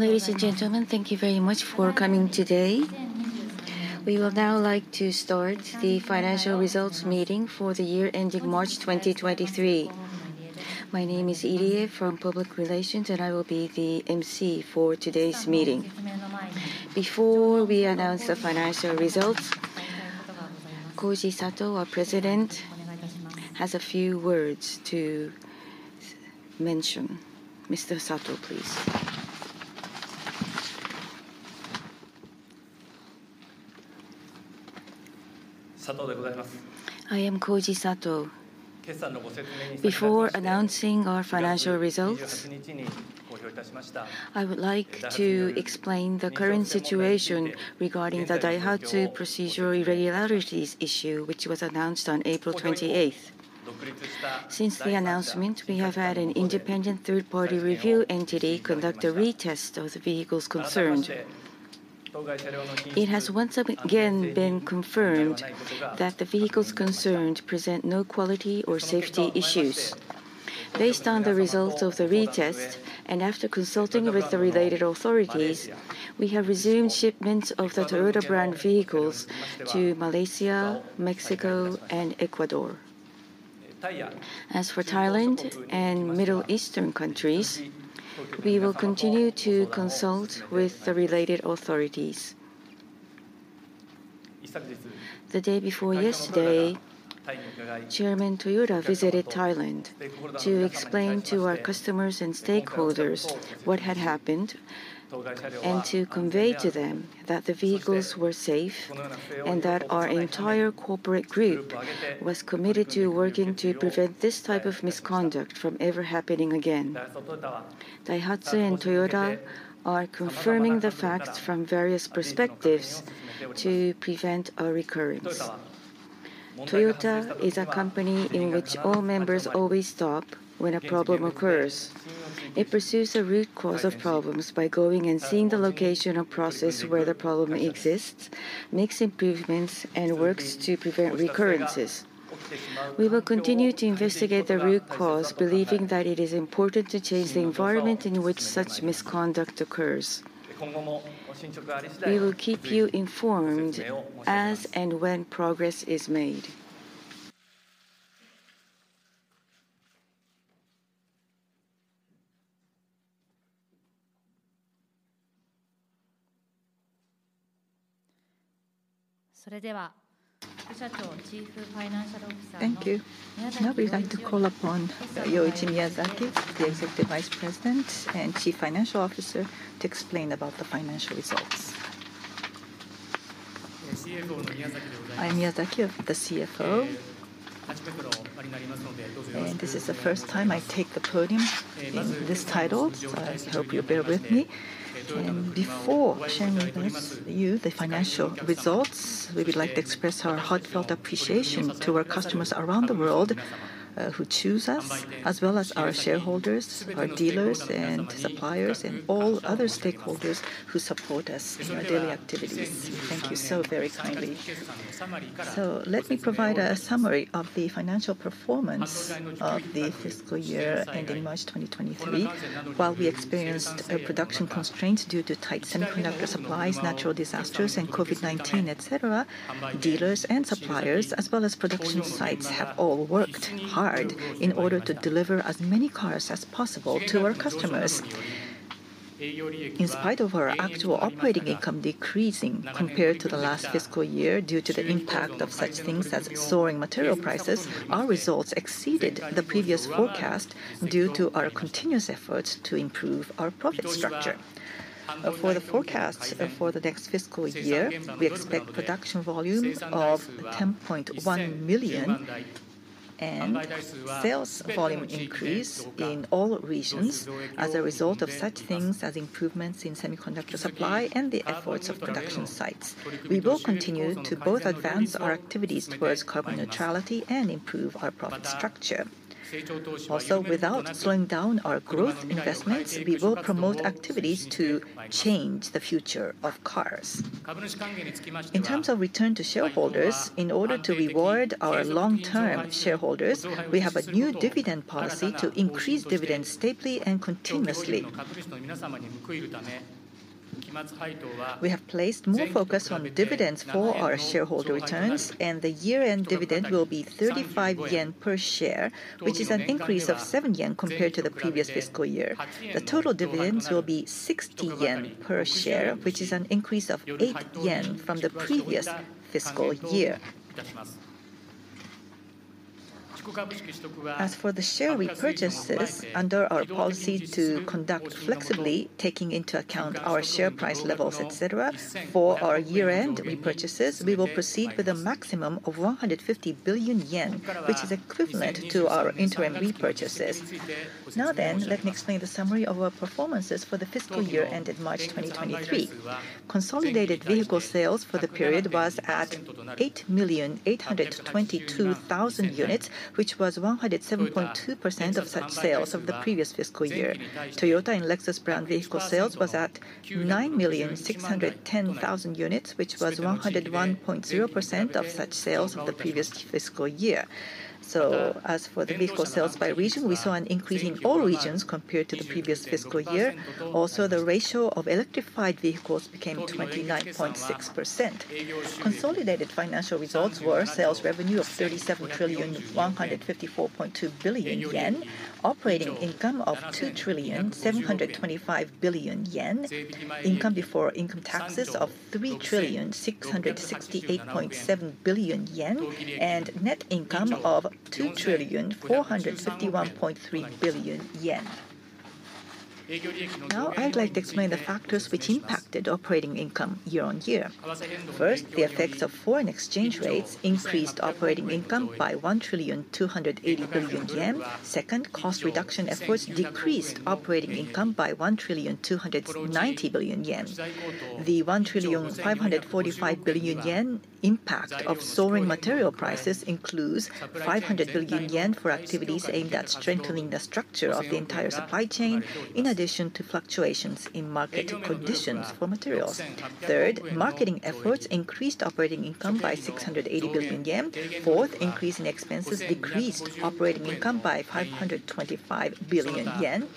Ladies and gentlemen, thank you very much for coming today. We will now like to start the financial results meeting for the year ending March 2023. My name is Irie from Public Relations, and I will be the MC for today's meeting. Before we announce the financial results, Koji Sato, our President, has a few words to mention. Mr. Sato, please. I am Koji Sato. Before announcing our financial results, I would like to explain the current situation regarding the Daihatsu procedural irregularities issue, which was announced on April 28th. Since the announcement, we have had an independent third-party review entity conduct a retest of the vehicles concerned. It has once again been confirmed that the vehicles concerned present no quality or safety issues. Based on the results of the retest, and after consulting with the related authorities, we have resumed shipments of the Toyota brand vehicles to Malaysia, Mexico, and Ecuador. As for Thailand and Middle Eastern countries, we will continue to consult with the related authorities. The day before yesterday, Chairman Toyoda visited Thailand to explain to our customers and stakeholders what had happened, and to convey to them that the vehicles were safe and that our entire corporate group was committed to working to prevent this type of misconduct from ever happening again. Daihatsu and Toyota are confirming the facts from various perspectives to prevent a recurrence. Toyota is a company in which all members always stop when a problem occurs. It pursues the root cause of problems by going and seeing the location or process where the problem exists, makes improvements, and works to prevent recurrences. We will continue to investigate the root cause, believing that it is important to change the environment in which such misconduct occurs. We will keep you informed as and when progress is made. Thank you. We'd like to call upon Yoichi Miyazaki, the Executive Vice President and Chief Financial Officer, to explain about the financial results. I'm Miyazaki, the CFO. This is the first time I take the podium in this title, so I hope you'll bear with me. Before sharing with you the financial results, we would like to express our heartfelt appreciation to our customers around the world, who choose us, as well as our shareholders, our dealers and suppliers, and all other stakeholders who support us in our daily activities. Thank you so very kindly. Let me provide a summary of the financial performance of the fiscal year ending March 2023. While we experienced production constraints due to tight semiconductor supplies, natural disasters, and COVID-19, et cetera, dealers and suppliers, as well as production sites, have all worked hard in order to deliver as many cars as possible to our customers. In spite of our actual operating income decreasing compared to the last fiscal year due to the impact of such things as soaring material prices, our results exceeded the previous forecast due to our continuous efforts to improve our profit structure. For the forecast for the next fiscal year, we expect production volumes of 10.1 million, and sales volume increase in all regions as a result of such things as improvements in semiconductor supply and the efforts of production sites. We will continue to both advance our activities towards carbon neutrality and improve our profit structure. Also, without slowing down our growth investments, we will promote activities to change the future of cars. In terms of return to shareholders, in order to reward our long-term shareholders, we have a new dividend policy to increase dividends stably and continuously. We have placed more focus on dividends for our shareholder returns. The year-end dividend will be 35 yen per share, which is an increase of 7 yen compared to the previous fiscal year. The total dividends will be 60 yen per share, which is an increase of 8 yen from the previous fiscal year. As for the share repurchases, under our policy to conduct flexibly, taking into account our share price levels, et cetera, for our year-end repurchases, we will proceed with a maximum of 150 billion yen, which is equivalent to our interim repurchases. Let me explain the summary of our performances for the fiscal year ending March 2023. Consolidated vehicle sales for the period was at 8,822,000 units, which was 107.2% of such sales of the previous fiscal year. Toyota and Lexus brand vehicle sales was at 9,610,000 units, which was 101.0% of such sales of the previous fiscal year. As for the vehicle sales by region, we saw an increase in all regions compared to the previous fiscal year. Also, the ratio of electrified vehicles became 29.6%. Consolidated financial results were sales revenue of 37,154.2 billion yen, operating income of 2,725 billion yen, income before income taxes of 3,668.7 billion yen, and net income of 2,451.3 billion yen. Now, I'd like to explain the factors which impacted operating income year-on-year. First, the effects of foreign exchange rates increased operating income by 1,280 billion yen. Second, cost reduction efforts decreased operating income by 1,290 billion yen. The 1,545 billion yen impact of soaring material prices includes 500 billion yen for activities aimed at strengthening the structure of the entire supply chain, in addition to fluctuations in market conditions for materials. Third, marketing efforts increased operating income by 680 billion yen. Fourth, increase in expenses decreased operating income by 525 billion yen.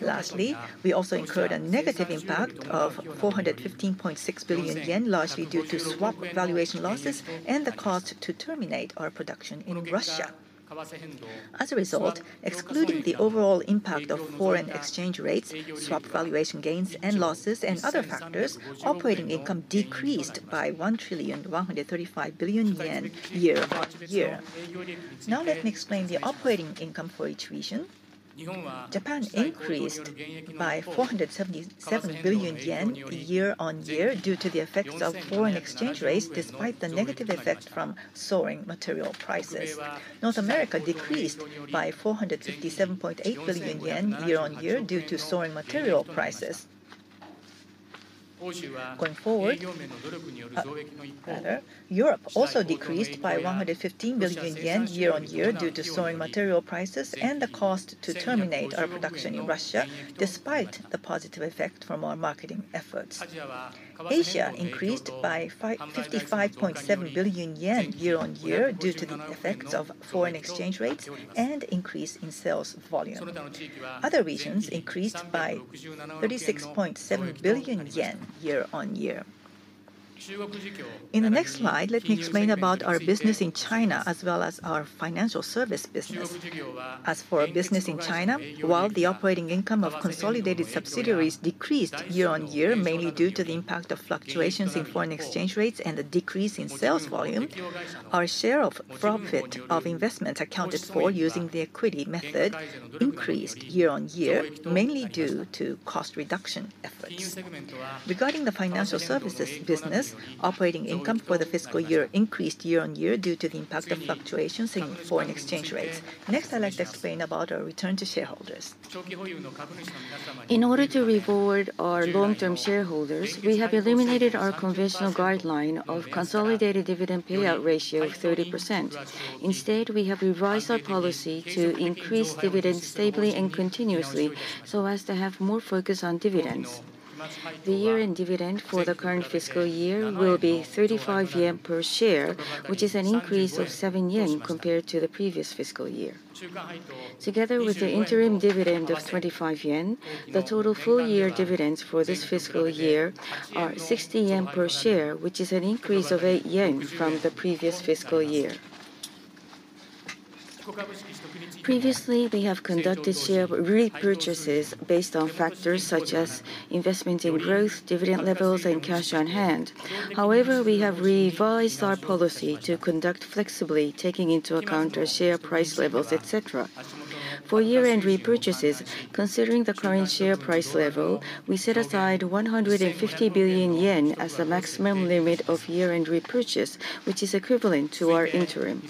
Lastly, we also incurred a negative impact of 415.6 billion yen, largely due to swap valuation losses and the cost to terminate our production in Russia. As a result, excluding the overall impact of foreign exchange rates, swap valuation gains and losses, and other factors, operating income decreased by 1,135 billion yen year-on-year. Now let me explain the operating income for each region. Japan increased by 477 billion yen year-on-year due to the effects of foreign exchange rates, despite the negative effect from soaring material prices. North America decreased by 457.8 billion yen year-on-year due to soaring material prices. Going forward, further, Europe also decreased by 115 billion yen year-on-year due to soaring material prices and the cost to terminate our production in Russia, despite the positive effect from our marketing efforts. Asia increased by 55.7 billion yen year-on-year due to the effects of foreign exchange rates and increase in sales volume. Other regions increased by 36.7 billion yen year-on-year. In the next slide, let me explain about our business in China as well as our financial service business. As for our business in China, while the operating income of consolidated subsidiaries decreased year-on-year, mainly due to the impact of fluctuations in foreign exchange rates and a decrease in sales volume, our share of profit of investments accounted for using the equity method increased year-on-year, mainly due to cost reduction efforts. Regarding the financial services business, operating income for the fiscal year increased year-on-year due to the impact of fluctuations in foreign exchange rates. I'd like to explain about our return to shareholders. In order to reward our long-term shareholders, we have eliminated our conventional guideline of consolidated dividend payout ratio of 30%. Instead, we have revised our policy to increase dividends stably and continuously, so as to have more focus on dividends. The year-end dividend for the current fiscal year will be 35 yen per share, which is an increase of 7 yen compared to the previous fiscal year. Together with the interim dividend of 25 yen, the total full year dividends for this fiscal year are 60 yen per share, which is an increase of 8 yen from the previous fiscal year. Previously, we have conducted share repurchases based on factors such as investment in growth, dividend levels, and cash on hand. However, we have revised our policy to conduct flexibly, taking into account our share price levels, et cetera. For year-end repurchases, considering the current share price level, we set aside 150 billion yen as the maximum limit of year-end repurchase, which is equivalent to our interim.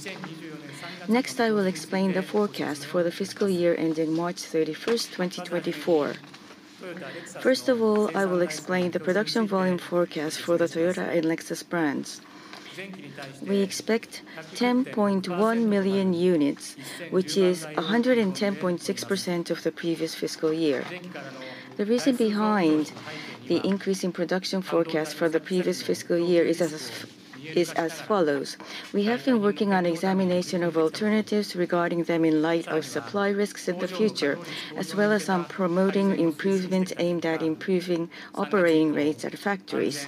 Next, I will explain the forecast for the fiscal year ending March 31st, 2024. First of all, I will explain the production volume forecast for the Toyota and Lexus brands. We expect 10.1 million units, which is 110.6% of the previous fiscal year. The reason behind the increase in production forecast for the previous fiscal year is as follows. We have been working on examination of alternatives regarding them in light of supply risks in the future, as well as on promoting improvements aimed at improving operating rates at factories.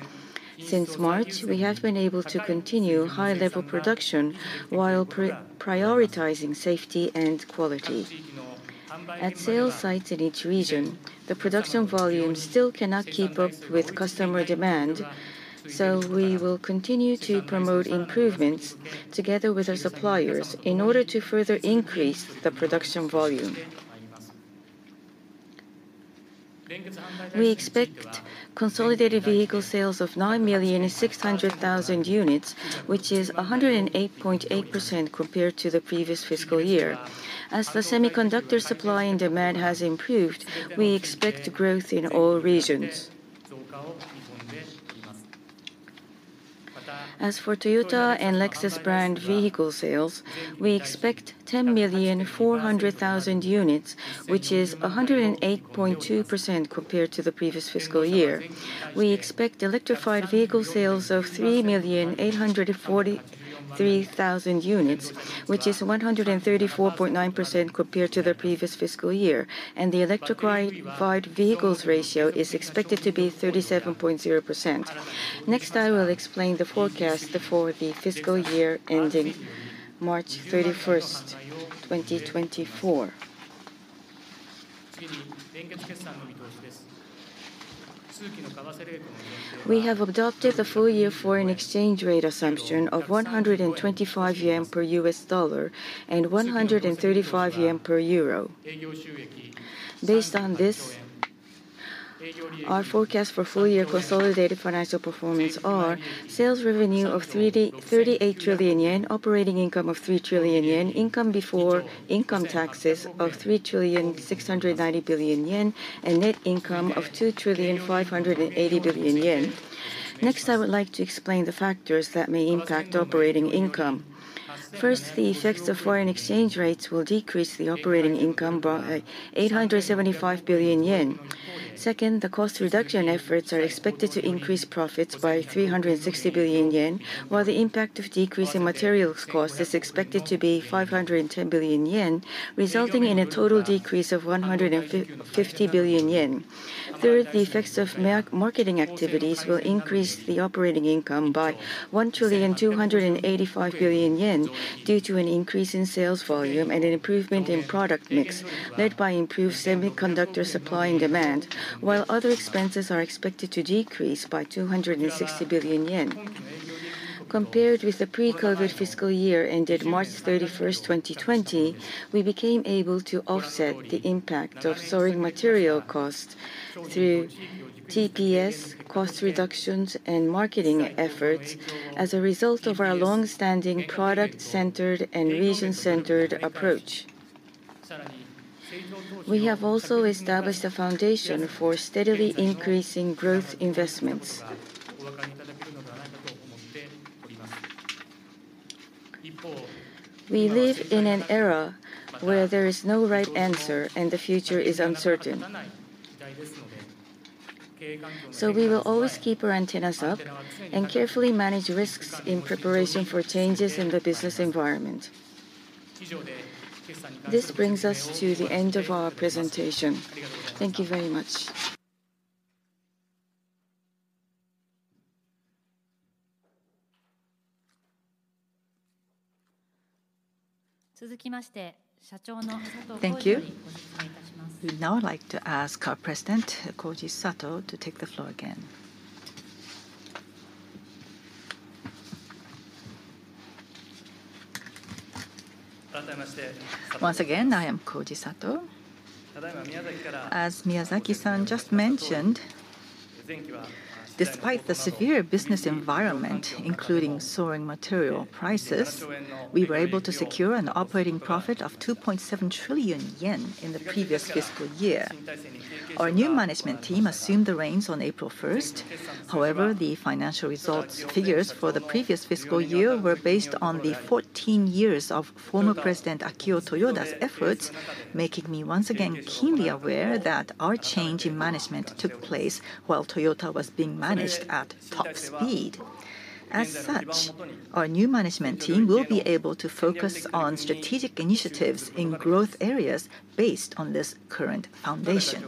Since March, we have been able to continue high-level production while prioritizing safety and quality. At sales sites in each region, the production volume still cannot keep up with customer demand, so we will continue to promote improvements together with our suppliers in order to further increase the production volume. We expect consolidated vehicle sales of 9,600,000 units, which is 108.8% compared to the previous fiscal year. As the semiconductor supply and demand has improved, we expect growth in all regions. As for Toyota and Lexus brand vehicle sales, we expect 10,400,000 units, which is 108.2% compared to the previous fiscal year. We expect electrified vehicle sales of 3,843,000 units, which is 134.9% compared to the previous fiscal year. The electrified vehicles ratio is expected to be 37.0%. Next, I will explain the forecast for the fiscal year ending March 31st, 2024. We have adopted the full year foreign exchange rate assumption of 125 yen per U.S. dollar and 135 yen per EUR. Based on this, our forecast for full year consolidated financial performance are sales revenue of 38 trillion yen, operating income of 3 trillion yen, income before income taxes of 3,690 billion yen, and net income of 2,580 billion yen. Next, I would like to explain the factors that may impact operating income. First, the effects of foreign exchange rates will decrease the operating income by 875 billion yen. Second, the cost reduction efforts are expected to increase profits by 360 billion yen, while the impact of decreasing materials cost is expected to be 510 billion yen, resulting in a total decrease of 150 billion yen. Third, the effects of marketing activities will increase the operating income by 1,285 billion yen due to an increase in sales volume and an improvement in product mix led by improved semiconductor supply and demand, while other expenses are expected to decrease by 260 billion yen. Compared with the pre-COVID fiscal year ended March 31st, 2020, we became able to offset the impact of soaring material costs through TPS, cost reductions, and marketing efforts as a result of our long-standing product-centered and region-centered approach. We have also established a foundation for steadily increasing growth investments. We live in an era where there is no right answer, and the future is uncertain. We will always keep our antennas up and carefully manage risks in preparation for changes in the business environment. This brings us to the end of our presentation. Thank you very much. Thank you. We'd now like to ask our President, Koji Sato, to take the floor again. Once again, I am Koji Sato. As Miyazaki-san just mentioned, despite the severe business environment, including soaring material prices, we were able to secure an operating profit of 2.7 trillion yen in the previous fiscal year. Our new management team assumed the reins on April 1st. However, the financial results figures for the previous fiscal year were based on the 14 years of former President Akio Toyoda's efforts, making me once again keenly aware that our change in management took place while Toyota was being managed at top speed. As such, our new management team will be able to focus on strategic initiatives in growth areas based on this current foundation.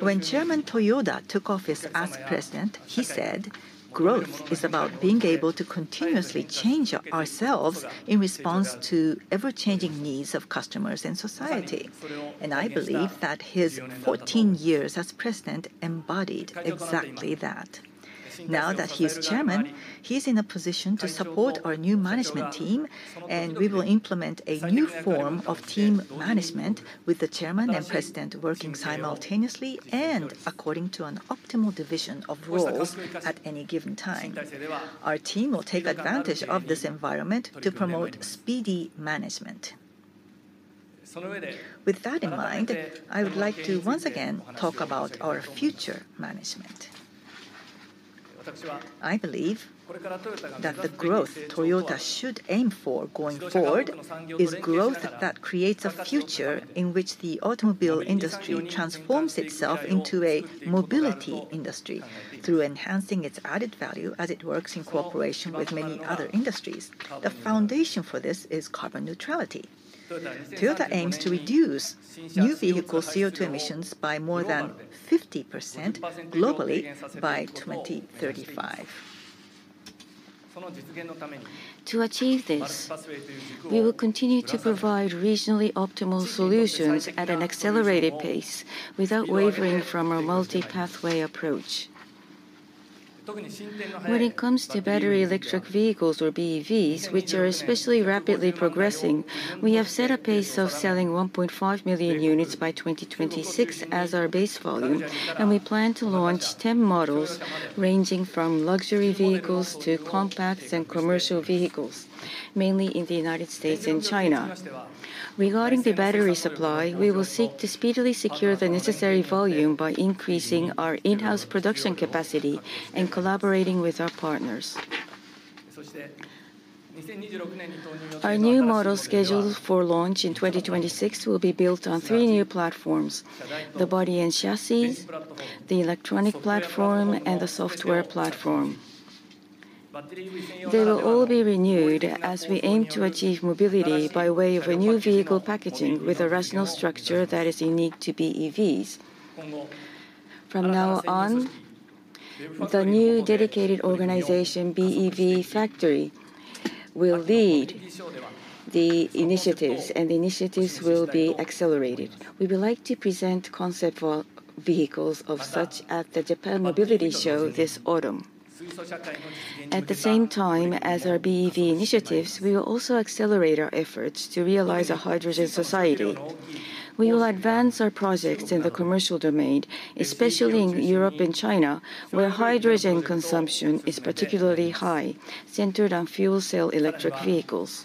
When Chairman Toyoda took office as president, he said, "Growth is about being able to continuously change ourselves in response to ever-changing needs of customers and society." I believe that his 14 years as president embodied exactly that. Now that he's chairman, he's in a position to support our new management team, and we will implement a new form of team management with the chairman and president working simultaneously and according to an optimal division of roles at any given time. Our team will take advantage of this environment to promote speedy management. With that in mind, I would like to once again talk about our future management. I believe that the growth Toyota should aim for going forward is growth that creates a future in which the automobile industry transforms itself into a mobility industry through enhancing its added value as it works in cooperation with many other industries. The foundation for this is carbon neutrality. Toyota aims to reduce new vehicle CO2 emissions by more than 50% globally by 2035. To achieve this, we will continue to provide regionally optimal solutions at an accelerated pace without wavering from our multi-pathway approach. When it comes to battery electric vehicles or BEVs, which are especially rapidly progressing, we have set a pace of selling 1.5 million units by 2026 as our base volume, and we plan to launch 10 models ranging from luxury vehicles to compacts and commercial vehicles, mainly in the United States and China. Regarding the battery supply, we will seek to speedily secure the necessary volume by increasing our in-house production capacity and collaborating with our partners. Our new model scheduled for launch in 2026 will be built on three new platforms, the body and chassis, the electronic platform, and the software platform. They will all be renewed as we aim to achieve mobility by way of a new vehicle packaging with a rational structure that is unique to BEVs. From now on, the new dedicated organization, BEV Factory, will lead the initiatives, and the initiatives will be accelerated. We would like to present concept for vehicles of such at the Japan Mobility Show this autumn. At the same time as our BEV initiatives, we will also accelerate our efforts to realize a hydrogen society. We will advance our projects in the commercial domain, especially in Europe and China, where hydrogen consumption is particularly high, centered on fuel cell electric vehicles.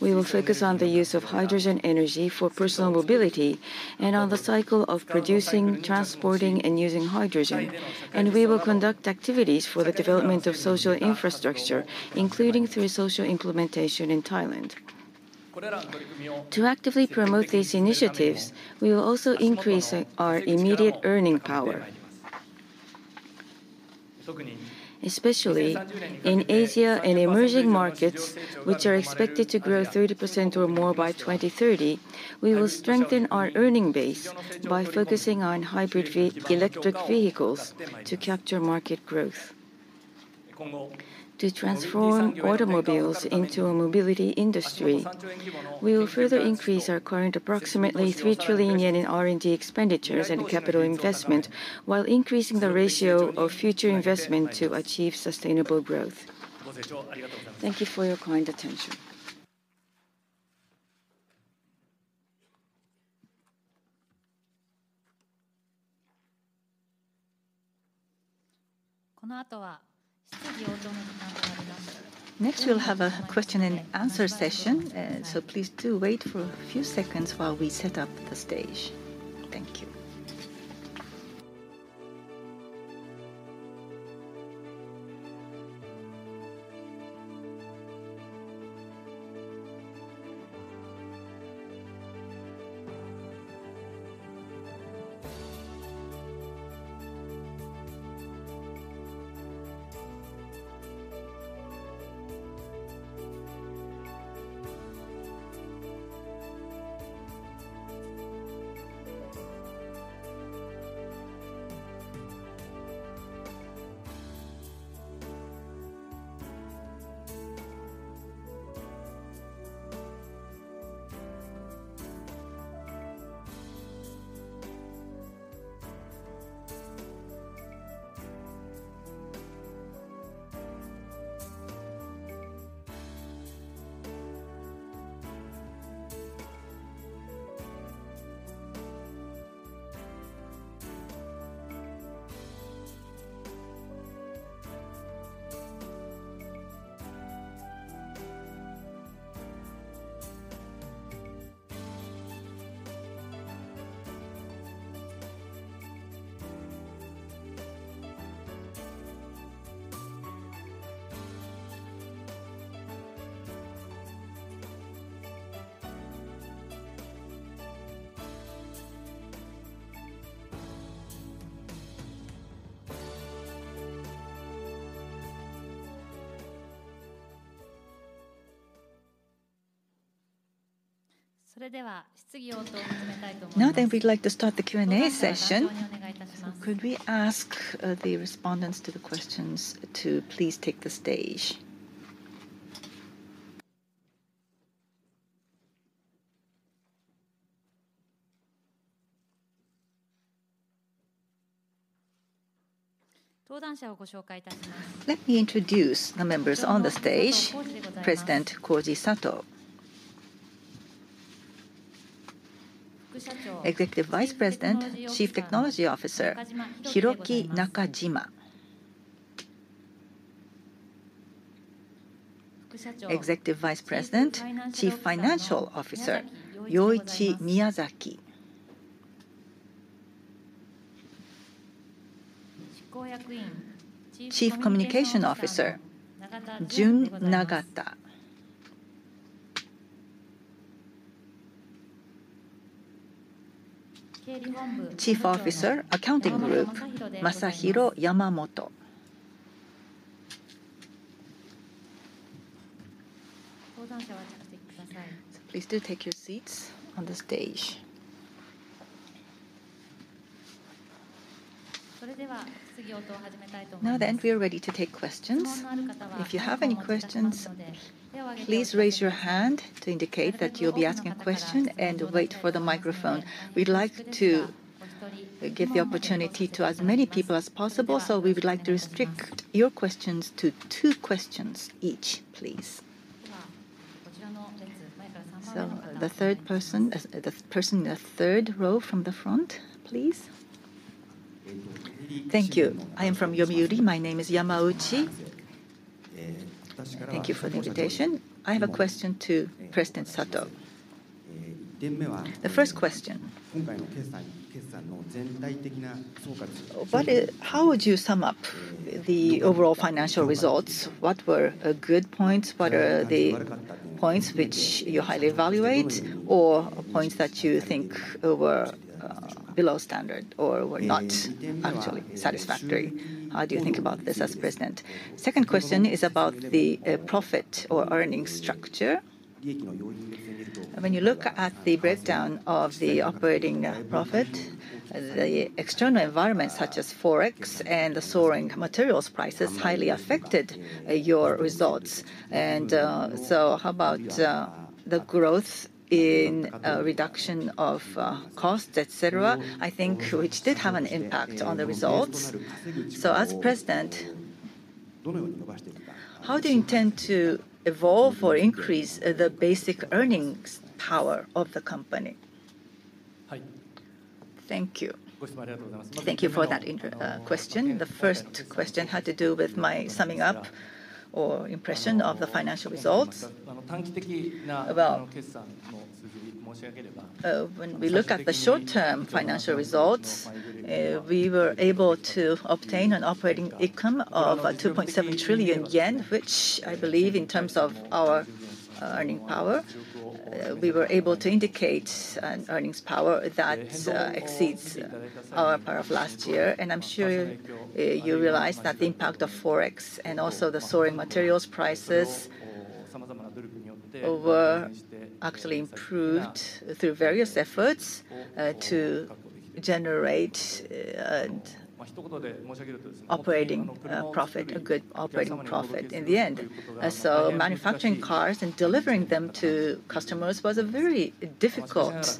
We will focus on the use of hydrogen energy for personal mobility and on the cycle of producing, transporting, and using hydrogen, and we will conduct activities for the development of social infrastructure, including through social implementation in Thailand. To actively promote these initiatives, we will also increase our immediate earning power. In Asia and emerging markets, which are expected to grow 30% or more by 2030, we will strengthen our earning base by focusing on hybrid electric vehicles to capture market growth. To transform automobiles into a mobility industry, we will further increase our current approximately 3 trillion yen in R&D expenditures and capital investment, while increasing the ratio of future investment to achieve sustainable growth. Thank you for your kind attention. Next, we'll have a question and answer session, please do wait for a few seconds while we set up the stage. Thank you. We'd like to start the Q&A session. Could we ask the respondents to the questions to please take the stage. Let me introduce the members on the stage. President Koji Sato. Executive Vice President, Chief Technology Officer, Hiroki Nakajima. Executive Vice President, Chief Financial Officer, Yoichi Miyazaki. Chief Communication Officer, Jun Nagata. Chief Officer, Accounting Group, Masahiro Yamamoto. Please do take your seats on the stage. We are ready to take questions. If you have any questions, please raise your hand to indicate that you'll be asking a question and wait for the microphone. We'd like to give the opportunity to as many people as possible, we would like to restrict your questions to two questions each, please. The third person, the person in the third row from the front, please. Thank you. I am from Yomiuri. My name is Yamauchi. Thank you for the invitation. I have a question to President Sato. The first question. How would you sum up the overall financial results? What were good points? What are the points which you highly evaluate or points that you think were below standard or were not actually satisfactory? How do you think about this as president? Second question is about the profit or earning structure. When you look at the breakdown of the operating profit, the external environment such as Forex and the soaring materials prices highly affected your results. How about the growth in reduction of costs, et cetera, I think which did have an impact on the results. As president, how do you intend to evolve or increase the basic earnings power of the company? Thank you. Thank you for that question. The first question had to do with my summing up or impression of the financial results. Well, when we look at the short-term financial results, we were able to obtain an operating income of 2.7 trillion yen, which I believe in terms of our earning power, we were able to indicate an earnings power that exceeds our power of last year. I'm sure you realize that the impact of Forex and also the soaring materials prices were actually improved through various efforts to generate operating profit, a good operating profit in the end. Manufacturing cars and delivering them to customers was a very difficult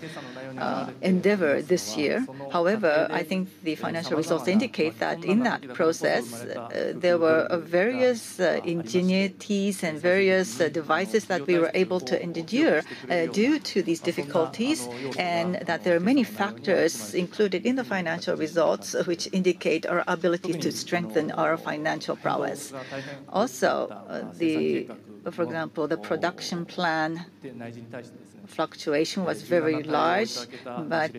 endeavor this year. However, I think the financial results indicate that in that process, there were various ingenuities and various devices that we were able to endure due to these difficulties, and that there are many factors included in the financial results which indicate our ability to strengthen our financial prowess. For example, the production plan fluctuation was very large, but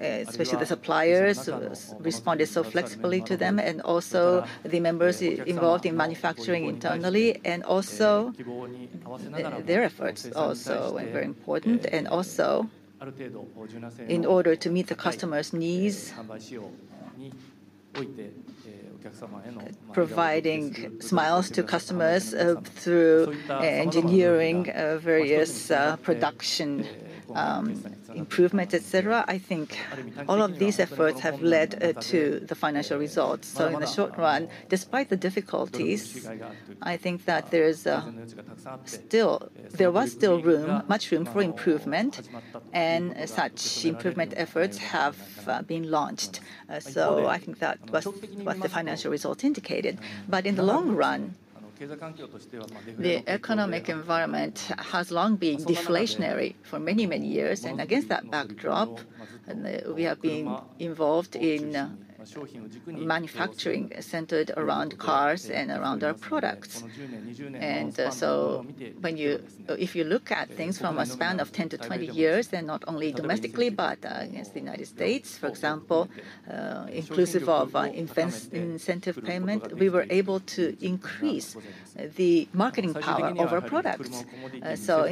especially the suppliers responded so flexibly to them and also the members involved in manufacturing internally and also their efforts also are very important, and also in order to meet the customers' needs, providing smiles to customers through e-engineering, various production improvements, et cetera. I think all of these efforts have led to the financial results. In the short run, despite the difficulties, I think that there is still room, much room for improvement, and as such, improvement efforts have been launched. I think that was what the financial result indicated. In the long run, the economic environment has long been deflationary for many, many years. Against that backdrop, we have been involved in manufacturing centered around cars and around our products. If you look at things from a span of 10-20 years, then not only domestically but against the U.S., for example, inclusive of incentive payment, we were able to increase the marketing power of our products.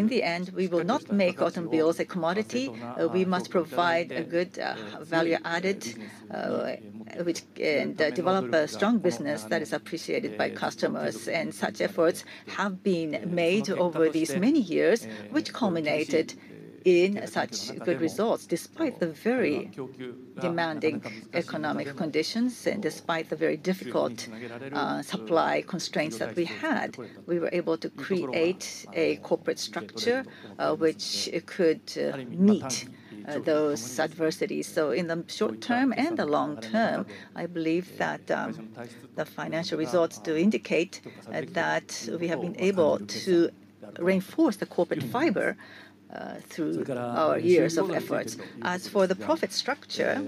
In the end, we will not make automobiles a commodity. We must provide a good value added, which develop a strong business that is appreciated by customers. Such efforts have been made over these many years, which culminated in such good results, despite the very demanding economic conditions and despite the very difficult supply constraints that we had. We were able to create a corporate structure, which could meet those adversities. In the short term and the long term, I believe that the financial results do indicate that we have been able to reinforce the corporate fiber through our years of efforts. As for the profit structure,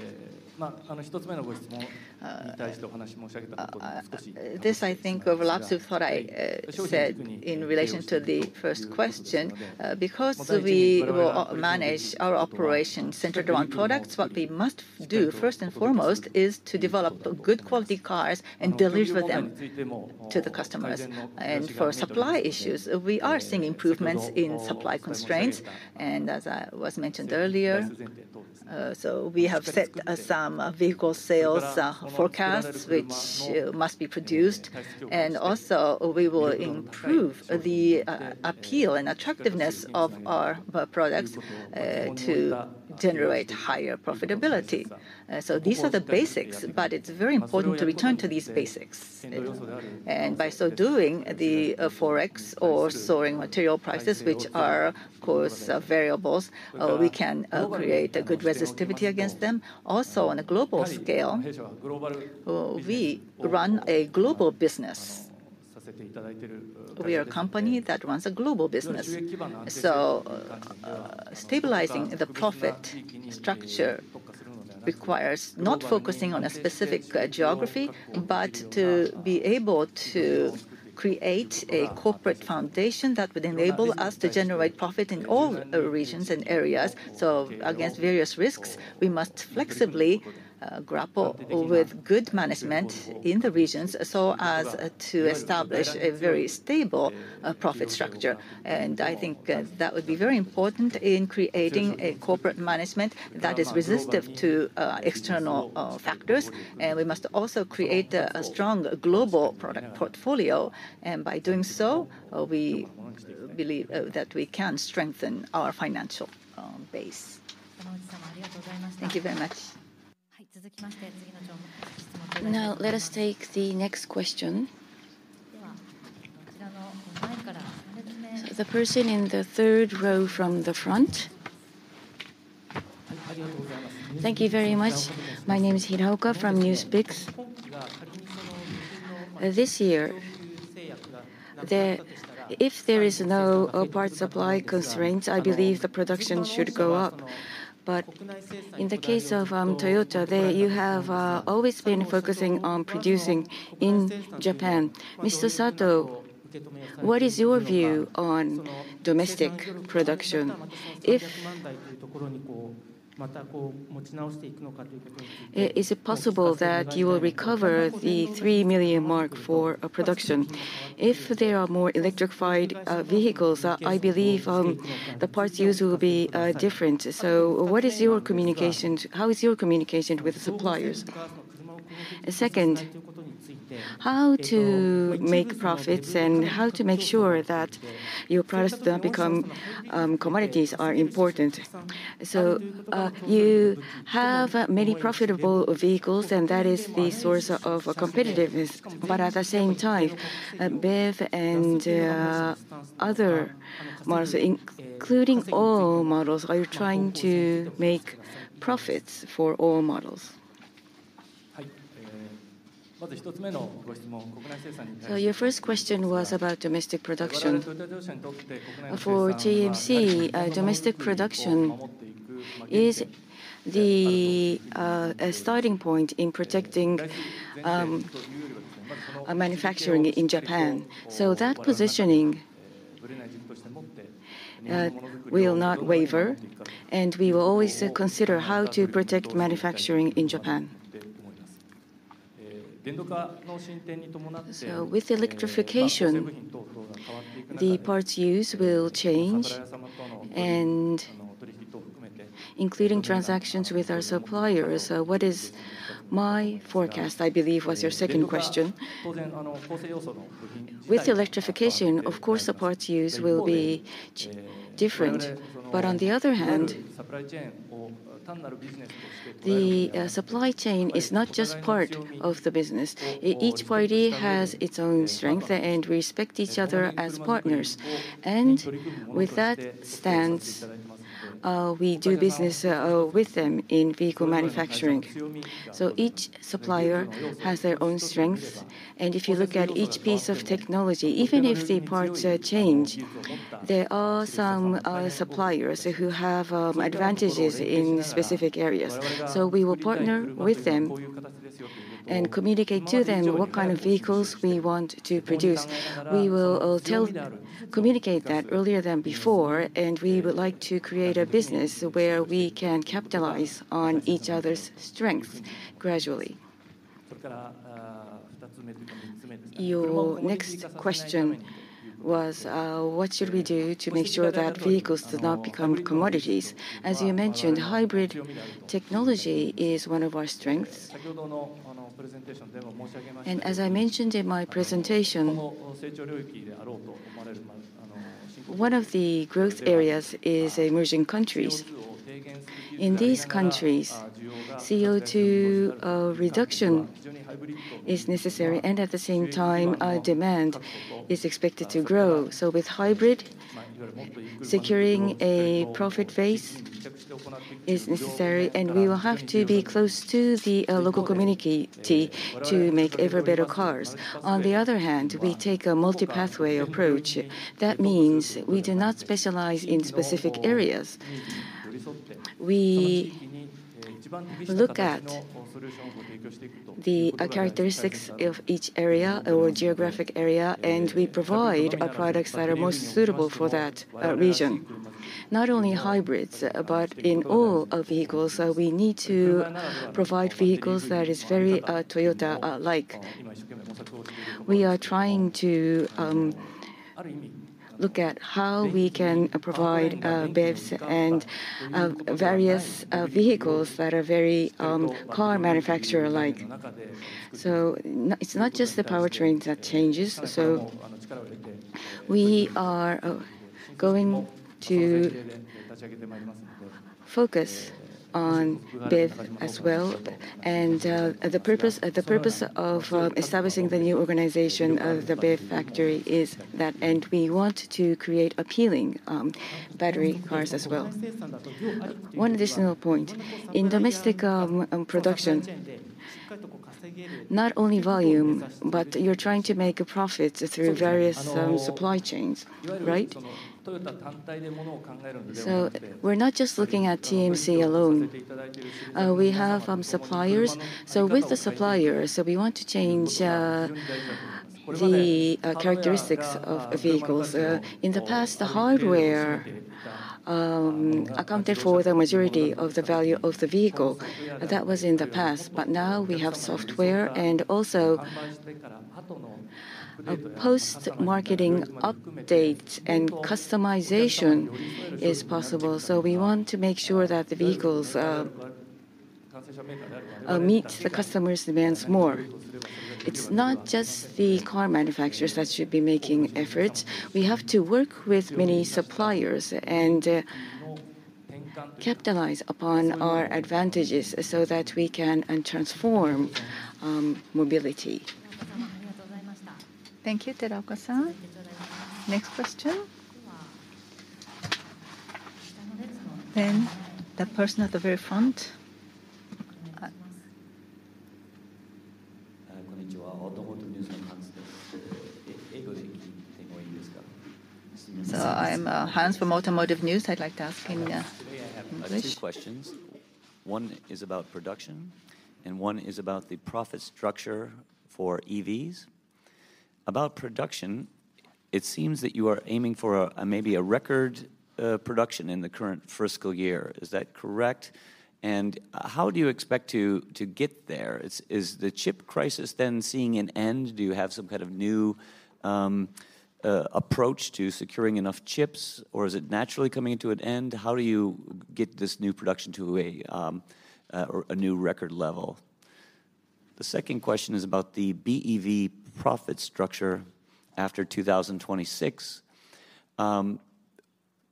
this I think overlaps with what I said in relation to the first question. Because we will manage our operations centered around products, what we must do first and foremost is to develop good quality cars and deliver them to the customers. For supply issues, we are seeing improvements in supply constraints. As was mentioned earlier, we have set some vehicle sales forecasts which must be produced. We will improve the appeal and attractiveness of our products to generate higher profitability. These are the basics, but it's very important to return to these basics. By so doing, the Forex or soaring material prices, which are of course variables, we can create a good resistivity against them. On a global scale, we run a global business. We are a company that runs a global business. Stabilizing the profit structure requires not focusing on a specific geography, but to be able to create a corporate foundation that would enable us to generate profit in all regions and areas. Against various risks, we must flexibly grapple with good management in the regions so as to establish a very stable profit structure. I think that would be very important in creating a corporate management that is resistive to external factors. We must also create a strong global product portfolio, and by doing so, we believe that we can strengthen our financial base. Thank you very much. Let us take the next question. The person in the third row from the front. Thank you very much. My name is Hiraoka from NewsPicks. This year, if there is no parts supply constraints, I believe the production should go up. In the case of Toyota, you have always been focusing on producing in Japan. Mr. Sato, what is your view on domestic production? Is it possible that you will recover the 3 million mark for production? If there are more electrified vehicles, I believe the parts used will be different. How is your communication with the suppliers? Second, how to make profits and how to make sure that your products don't become commodities are important. You have many profitable vehicles, and that is the source of competitiveness. At the same time, BEV and other models, including all models, are you trying to make profits for all models? Your first question was about domestic production. For TMC, domestic production is the starting point in protecting manufacturing in Japan. That positioning will not waiver, and we will always consider how to protect manufacturing in Japan. With electrification, the parts used will change, and including transactions with our suppliers. What is my forecast, I believe was your second question. With electrification, of course the parts used will be different. On the other hand, the supply chain is not just part of the business. Each party has its own strength, and respect each other as partners. With that stance, we do business with them in vehicle manufacturing. Each supplier has their own strengths, and if you look at each piece of technology, even if the parts change, there are some suppliers who have advantages in specific areas. We will partner with them and communicate to them what kind of vehicles we want to produce. We will communicate that earlier than before, and we would like to create a business where we can capitalize on each other's strengths gradually. Your next question was, what should we do to make sure that vehicles do not become commodities? As you mentioned, hybrid technology is one of our strengths. As I mentioned in my presentation, one of the growth areas is emerging countries. In these countries, CO2 reduction is necessary, and at the same time, demand is expected to grow. With hybrid, securing a profit base is necessary, and we will have to be close to the local community to make ever better cars. On the other hand, we take a multi-pathway approach. That means we do not specialize in specific areas. We look at the characteristics of each area or geographic area, and we provide products that are most suitable for that region. Not only hybrids, but in all our vehicles, we need to provide vehicles that is very Toyota like. We are trying to look at how we can provide BEVs and various vehicles that are very car manufacturer like. It's not just the powertrain that changes. We are going to focus on BEV as well. The purpose of establishing the new organization of the BEV Factory is that. We want to create appealing battery cars as well. One additional point. In domestic production, not only volume, but you're trying to make a profit through various supply chains, right? We're not just looking at TMC alone. We have suppliers. With the suppliers, so we want to change the characteristics of vehicles. In the past, the hardware accounted for the majority of the value of the vehicle. That was in the past, but now we have software and also post-marketing updates and customization is possible. We want to make sure that the vehicles meet the customers' demands more. It's not just the car manufacturers that should be making efforts. We have to work with many suppliers and capitalize upon our advantages so that we can transform mobility. Thank you, Hiraoka-san. Next question. The person at the very front. I'm Hans from Automotive News. I'd like to ask you two questions. One is about production, and one is about the profit structure for EVs. About production, it seems that you are aiming for a, maybe a record production in the current fiscal year. Is that correct? How do you expect to get there? Is the chip crisis then seeing an end? Do you have some kind of new approach to securing enough chips, or is it naturally coming to an end? How do you get this new production to a new record level? The second question is about the BEV profit structure after 2026.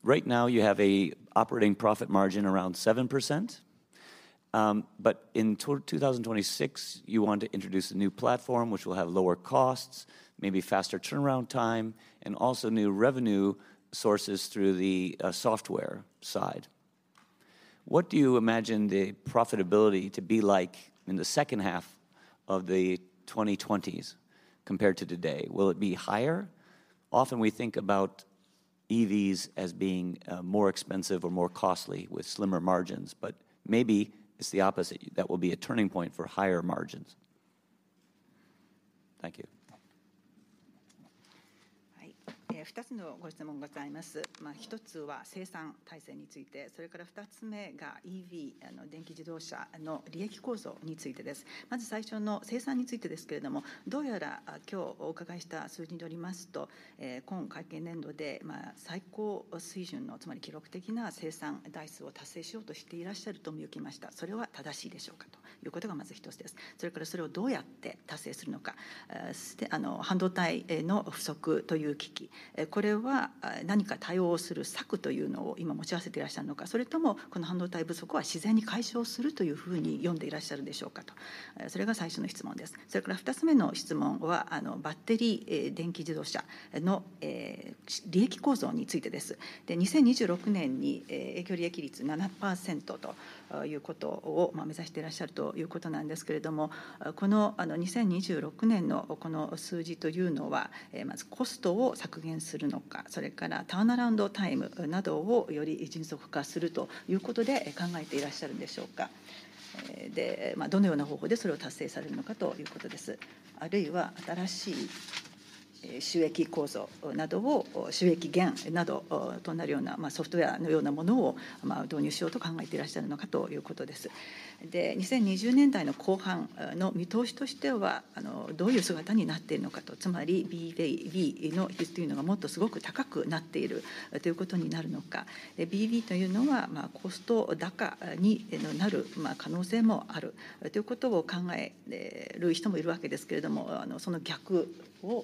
Right now you have a operating profit margin around 7%, but in 2026, you want to introduce a new platform which will have lower costs, maybe faster turnaround time, and also new revenue sources through the software side. What do you imagine the profitability to be like in the second half of the 2020s compared to today? Will it be higher? Often we think about EVs as being more expensive or more costly with slimmer margins, but maybe it's the opposite. That will be a turning point for higher margins. Thank you. Thank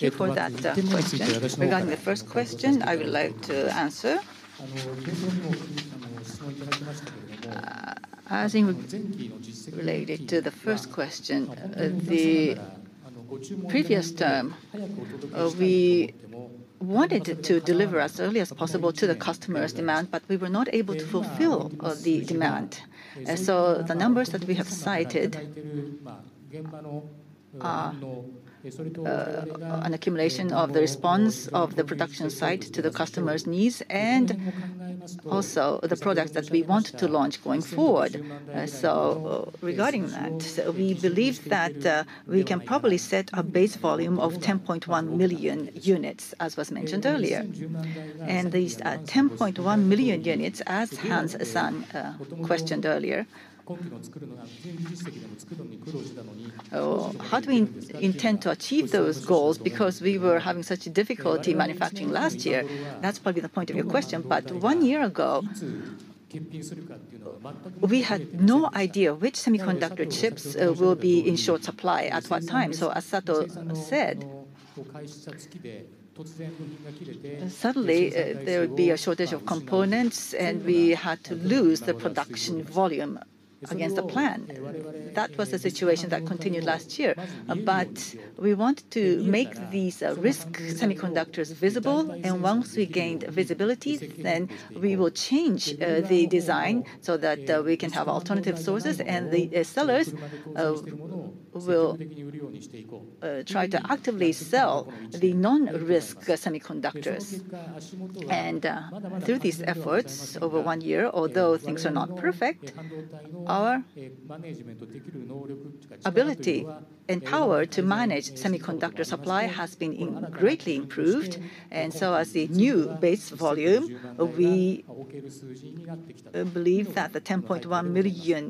you for that question. Regarding the first question, I would like to answer. As in related to the first question, the previous term, we wanted to deliver as early as possible to the customers' demand, but we were not able to fulfill the demand. The numbers that we have cited are an accumulation of the response of the production site to the customers' needs and also the products that we want to launch going forward. Regarding that, we believe that we can probably set a base volume of 10.1 million units, as was mentioned earlier. These 10.1 million units, as Hans-san questioned earlier, how do we intend to achieve those goals because we were having such a difficulty manufacturing last year? That's probably the point of your question. One year ago, we had no idea which semiconductor chips will be in short supply at what time. As Sato said. Suddenly, there would be a shortage of components and we had to lose the production volume against the plan. That was the situation that continued last year. We want to make these risk semiconductors visible, and once we gained visibility, then we will change the design so that we can have alternative sources. The sellers will try to actively sell the non-risk semiconductors. Through these efforts over one year, although things are not perfect, our ability and power to manage semiconductor supply has been greatly improved. As a new base volume, we believe that the 10.1 million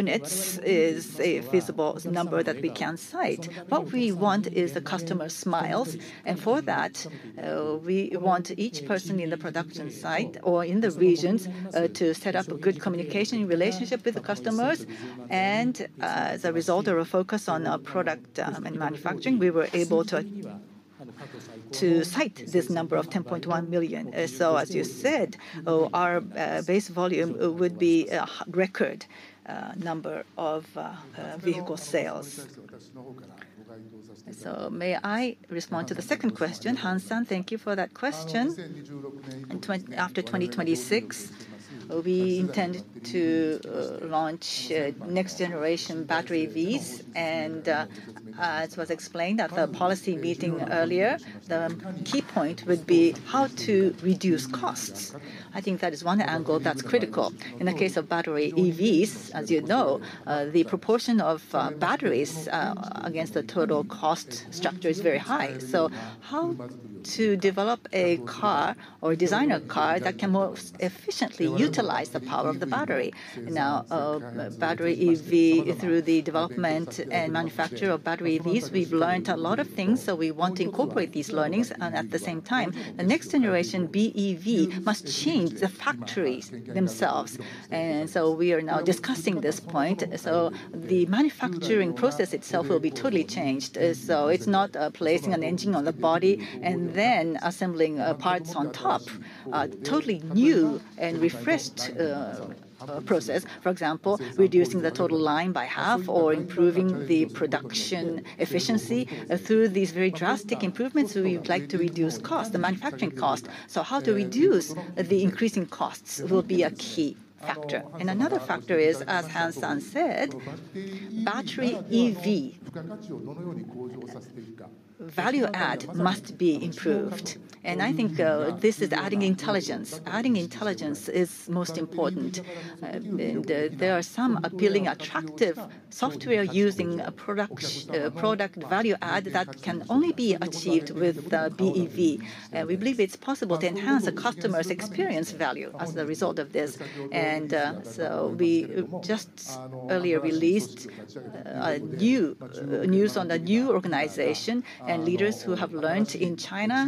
units is a feasible number that we can cite. What we want is the customer smiles. For that, we want each person in the production site or in the regions to set up a good communication relationship with the customers. As a result of a focus on a product and manufacturing, we were able to cite this number of 10.1 million. As you said, our base volume would be a record number of vehicle sales. May I respond to the second question? Hans-san, thank you for that question. After 2026, we intend to launch next generation battery EVs. As was explained at the policy meeting earlier, the key point would be how to reduce costs. I think that is one angle that's critical. In the case of battery EVs, as you know, the proportion of batteries against the total cost structure is very high. How to develop a car or design a car that can most efficiently utilize the power of the battery. Now, battery EV, through the development and manufacture of battery EVs, we've learned a lot of things. We want to incorporate these learnings. At the same time, the next generation BEV must change the factories themselves. We are now discussing this point. The manufacturing process itself will be totally changed. It's not placing an engine on the body and then assembling parts on top. A totally new and refreshed process. For example, reducing the total line by half or improving the production efficiency. Through these very drastic improvements, we would like to reduce cost, the manufacturing cost. How to reduce the increasing costs will be a key factor. Another factor is, as Hans-san said, battery EV value add must be improved. I think this is adding intelligence. Adding intelligence is most important. There are some appealing, attractive software using a product value add that can only be achieved with the BEV. We believe it's possible to enhance the customer's experience value as the result of this. So we just earlier released a new news on the new organization, and leaders who have learned in China,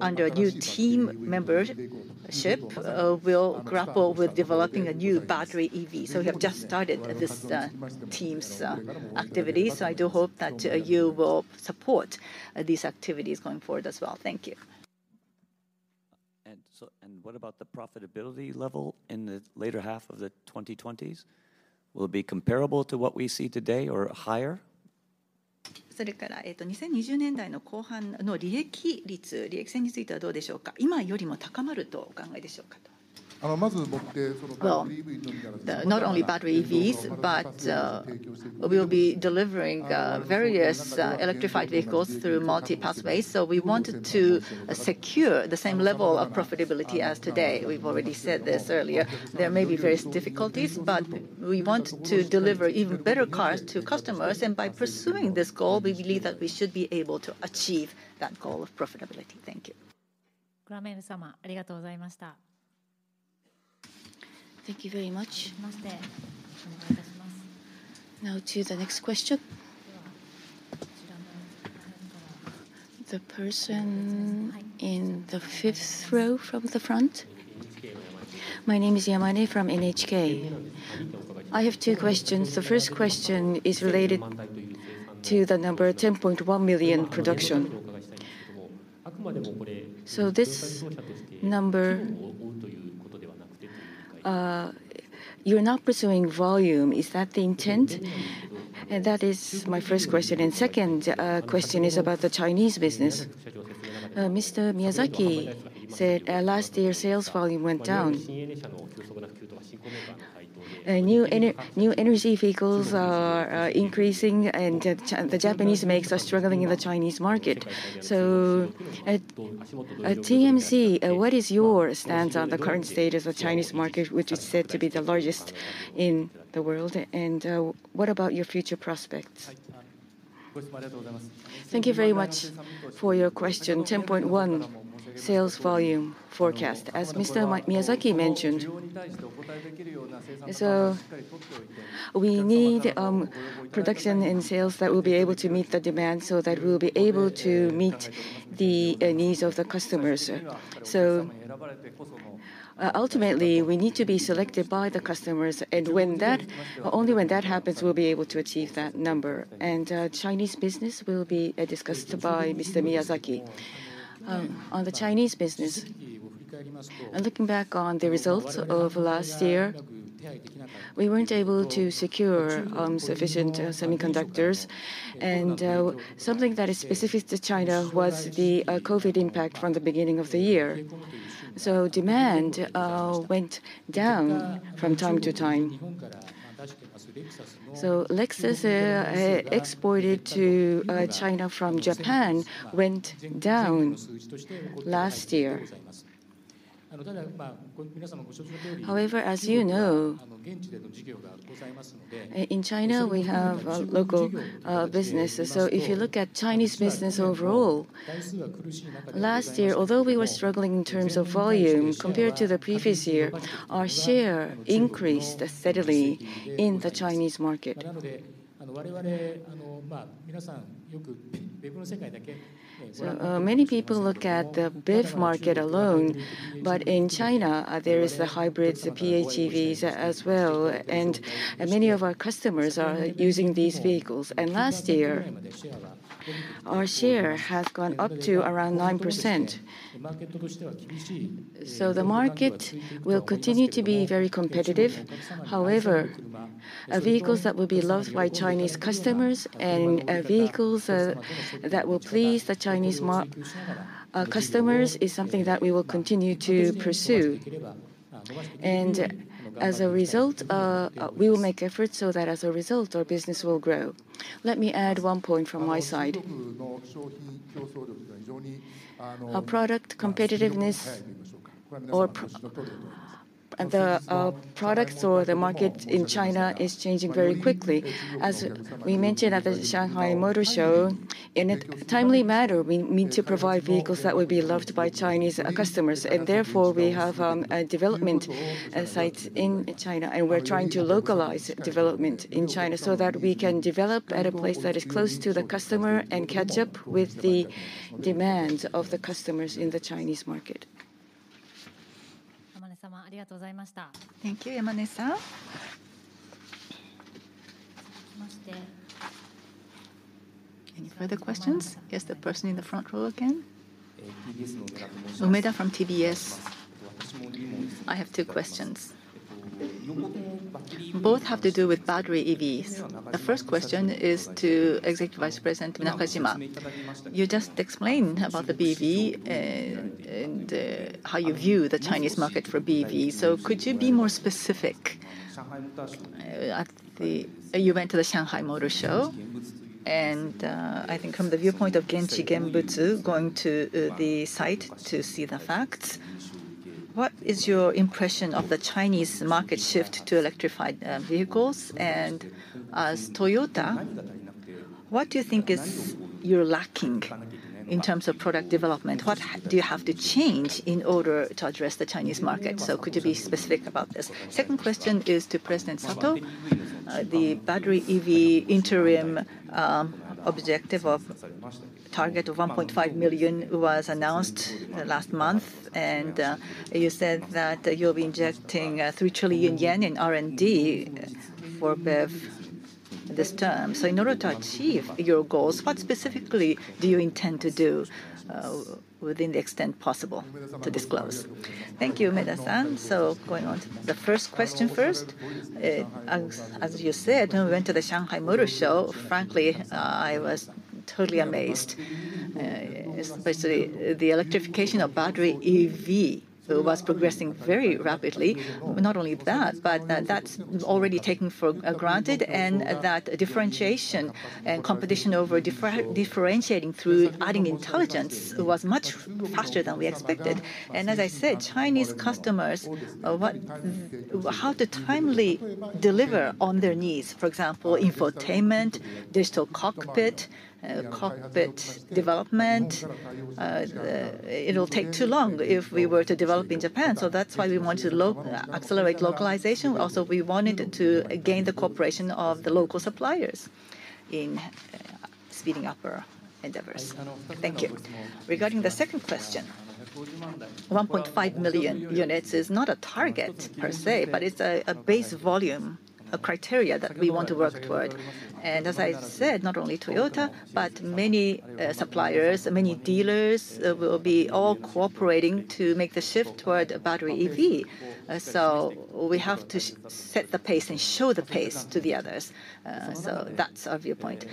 under a new team membership, will grapple with developing a new battery EV. So we have just started this team's activities. I do hope that you will support these activities going forward as well. Thank you. What about the profitability level in the later half of the 2020s? Will it be comparable to what we see today or higher? Well, the, not only battery EVs, but we'll be delivering various electrified vehicles through multi pathways. We want to secure the same level of profitability as today. We've already said this earlier. There may be various difficulties, but we want to deliver even better cars to customers. By pursuing this goal, we believe that we should be able to achieve that goal of profitability. Thank you. Thank you very much. To the next question. The person in the fifth row from the front. My name is Yamane from NHK. I have two questions. The first question is related to the number 10.1 million production. This number, you're not pursuing volume. Is that the intent? That is my first question. Second question is about the Chinese business. Mr. Miyazaki said last year sales volume went down. New energy vehicles are increasing and the Japanese makes are struggling in the Chinese market. At TMC, what is your stance on the current state of the Chinese market, which is said to be the largest in the world? What about your future prospects? Thank you very much for your question. 10.1 sales volume forecast, as Mr. Miyazaki mentioned. We need production and sales that will be able to meet the demand so that we'll be able to meet the needs of the customers. Ultimately, we need to be selected by the customers, and only when that happens we'll be able to achieve that number. Chinese business will be discussed by Mr. Miyazaki. On the Chinese business. Looking back on the results of last year, we weren't able to secure sufficient semiconductors. Something that is specific to China was the COVID impact from the beginning of the year. Demand went down from time to time. Lexus exported to China from Japan went down last year. However, as you know, in China we have local businesses. If you look at Chinese business overall, last year, although we were struggling in terms of volume, compared to the previous year, our share increased steadily in the Chinese market. Many people look at the BEV market alone, but in China, there is the hybrids, the PHEVs as well, and many of our customers are using these vehicles. Last year our share has gone up to around 9%. The market will continue to be very competitive. However, vehicles that will be loved by Chinese customers and vehicles that will please the Chinese customers is something that we will continue to pursue. As a result, we will make efforts so that as a result our business will grow. Let me add one point from my side. Our product competitiveness or our products or the market in China is changing very quickly. As we mentioned at the Shanghai Motor Show, in a timely manner, we need to provide vehicles that will be loved by Chinese customers, and therefore, we have a development site in China, and we're trying to localize development in China so that we can develop at a place that is close to the customer and catch up with the demands of the customers in the Chinese market. Thank you, Yamane-san. Any further questions? Yes, the person in the front row again. Umeda from TBS. I have two questions. Both have to do with battery EVs. The first question is to Executive Vice President Nakajima. You just explained about the BEV and how you view the Chinese market for BEV. Could you be more specific at the... You went to the Shanghai Motor Show and I think from the viewpoint of genchi genbutsu, going to the site to see the facts. What is your impression of the Chinese market shift to electrified vehicles? As Toyota, what do you think is you're lacking in terms of product development? What do you have to change in order to address the Chinese market? Could you be specific about this? Second question is to President Sato. The battery EV interim objective of target of 1.5 million was announced last month. You said that you'll be injecting 3 trillion yen in R&D for BEV this term. In order to achieve your goals, what specifically do you intend to do within the extent possible to disclose? Thank you, Umeda-san. Going on to the first question first. As you said, when we went to the Shanghai Motor Show, frankly, I was totally amazed. Especially the electrification of battery EV was progressing very rapidly. Not only that, but that's already taken for granted and that differentiation and competition over differentiating through adding intelligence was much faster than we expected. As I said, Chinese customers, how to timely deliver on their needs. For example, infotainment, digital cockpit development. It'll take too long if we were to develop in Japan, that's why we want to accelerate localization. Also, we wanted to gain the cooperation of the local suppliers in speeding up our endeavors. Thank you. Regarding the second question. 1.5 million units is not a target per se, but it's a base volume, a criteria that we want to work toward. As I said, not only Toyota, but many suppliers, many dealers will be all cooperating to make the shift toward battery EV. So we have to set the pace and show the pace to the others. So that's our viewpoint.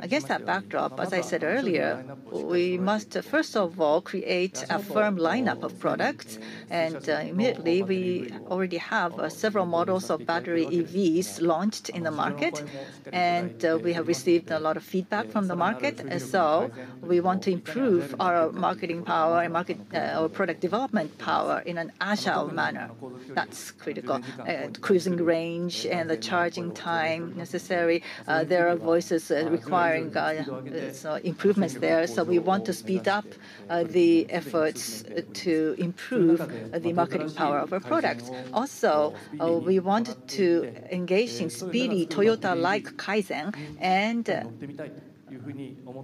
Against that backdrop, as I said earlier, we must, first of all, create a firm lineup of products. Immediately, we already have several models of battery EVs launched in the market. We have received a lot of feedback from the market. So we want to improve our marketing power and market or product development power in an agile manner. That's critical. Cruising range and the charging time necessary, there are voices requiring some improvements there. We want to speed up the efforts to improve the marketing power of our products. We want to engage in speedy Toyota-like Kaizen and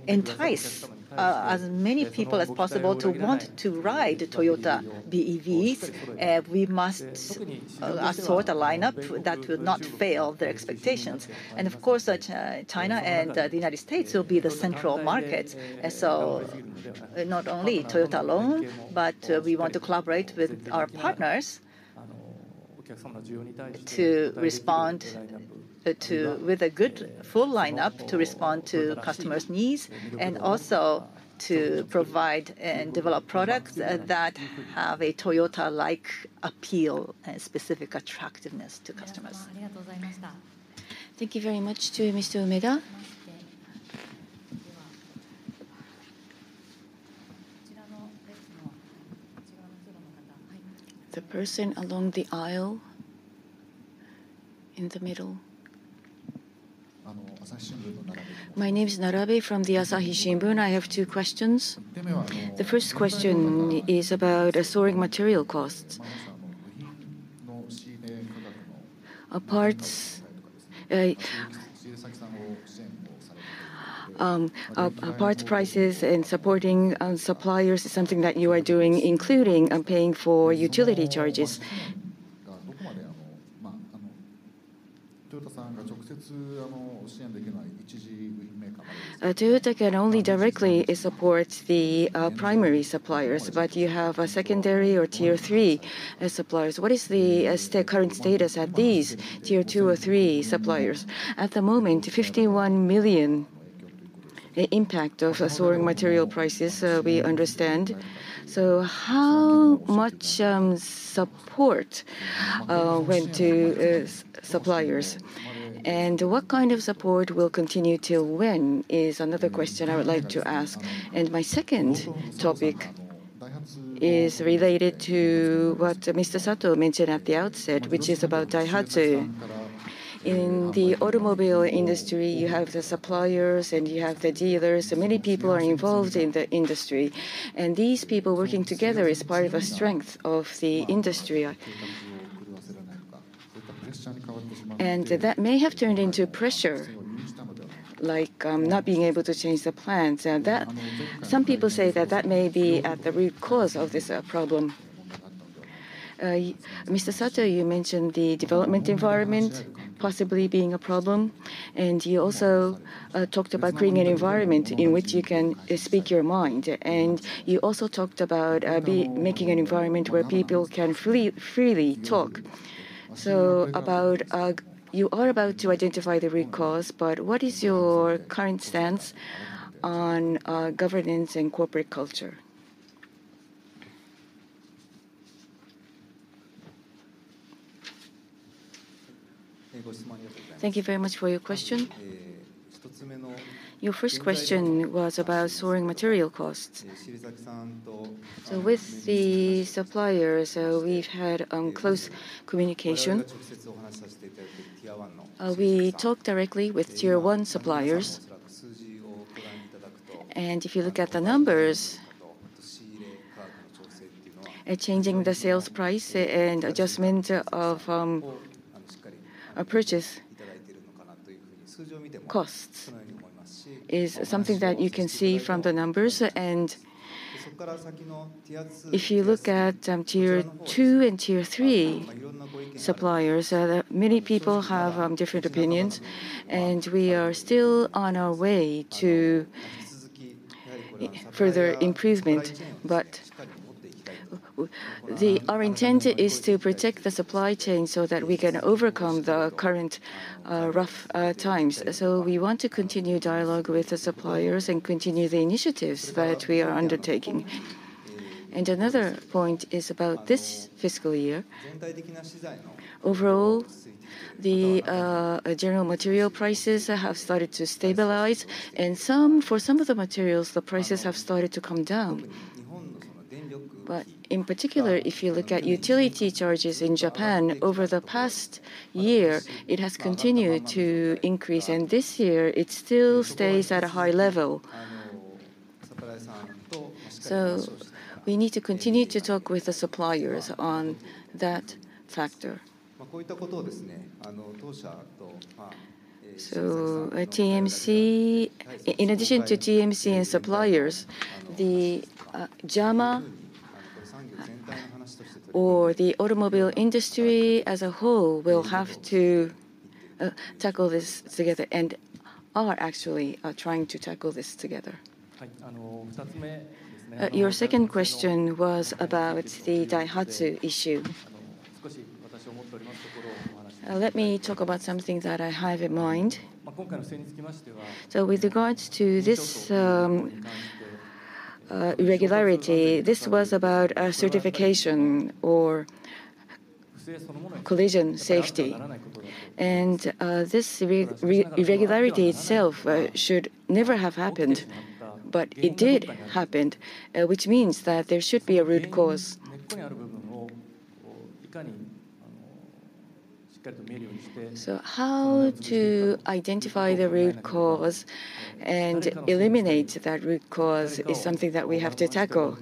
entice. As many people as possible to want to ride Toyota BEVs, we must assort a lineup that will not fail their expectations. Of course, China and the United States will be the central markets. Not only Toyota alone, but we want to collaborate with our partners to respond with a good full lineup to respond to customers' needs and also to provide and develop products that have a Toyota-like appeal and specific attractiveness to customers. Thank you very much to Mr. Umeda. The person along the aisle in the middle. My name's Narabi from the Asahi Shimbun. I have two questions. The first question is about the soaring material costs. Of parts prices and supporting suppliers is something that you are doing, including paying for utility charges. Toyota can only directly support the primary suppliers, but you have a secondary or tier three suppliers. What is the current status at these tier two or three suppliers? At the moment, 51 million, the impact of the soaring material prices, we understand. How much support went to suppliers, and what kind of support will continue till when is another question I would like to ask. My second topic is related to what Mr. Sato mentioned at the outset, which is about Daihatsu. In the automobile industry, you have the suppliers and you have the dealers, and many people are involved in the industry. These people working together is part of a strength of the industry. That may have turned into pressure, like, not being able to change the plans. That. Some people say that that may be the root cause of this problem. Mr. Sato, you mentioned the development environment possibly being a problem, you also talked about creating an environment in which you can speak your mind. You also talked about making an environment where people can freely talk. About, you are about to identify the root cause, but what is your current stance on governance and corporate culture? Thank you very much for your question. Your first question was about soaring material costs. With the suppliers, we've had close communication. We talk directly with tier one suppliers. If you look at the numbers, changing the sales price and adjustment of purchase costs is something that you can see from the numbers. If you look at tier two and tier three suppliers, many people have different opinions, and we are still on our way to further improvement. Our intent is to protect the supply chain so that we can overcome the current, rough, times. We want to continue dialogue with the suppliers and continue the initiatives that we are undertaking. Another point is about this fiscal year. Overall, the general material prices have started to stabilize, and some, for some of the materials, the prices have started to come down. In particular, if you look at utility charges in Japan, over the past year, it has continued to increase, and this year it still stays at a high level. We need to continue to talk with the suppliers on that factor. TMC in addition to TMC and suppliers, the JAMA or the automobile industry as a whole will have to tackle this together, and are actually trying to tackle this together. Your second question was about the Daihatsu issue. Let me talk about something that I have in mind. With regards to this irregularity, this was about a certification or collision safety. This irregularity itself should never have happened, but it did happened, which means that there should be a root cause. How to identify the root cause and eliminate that root cause is something that we have to tackle.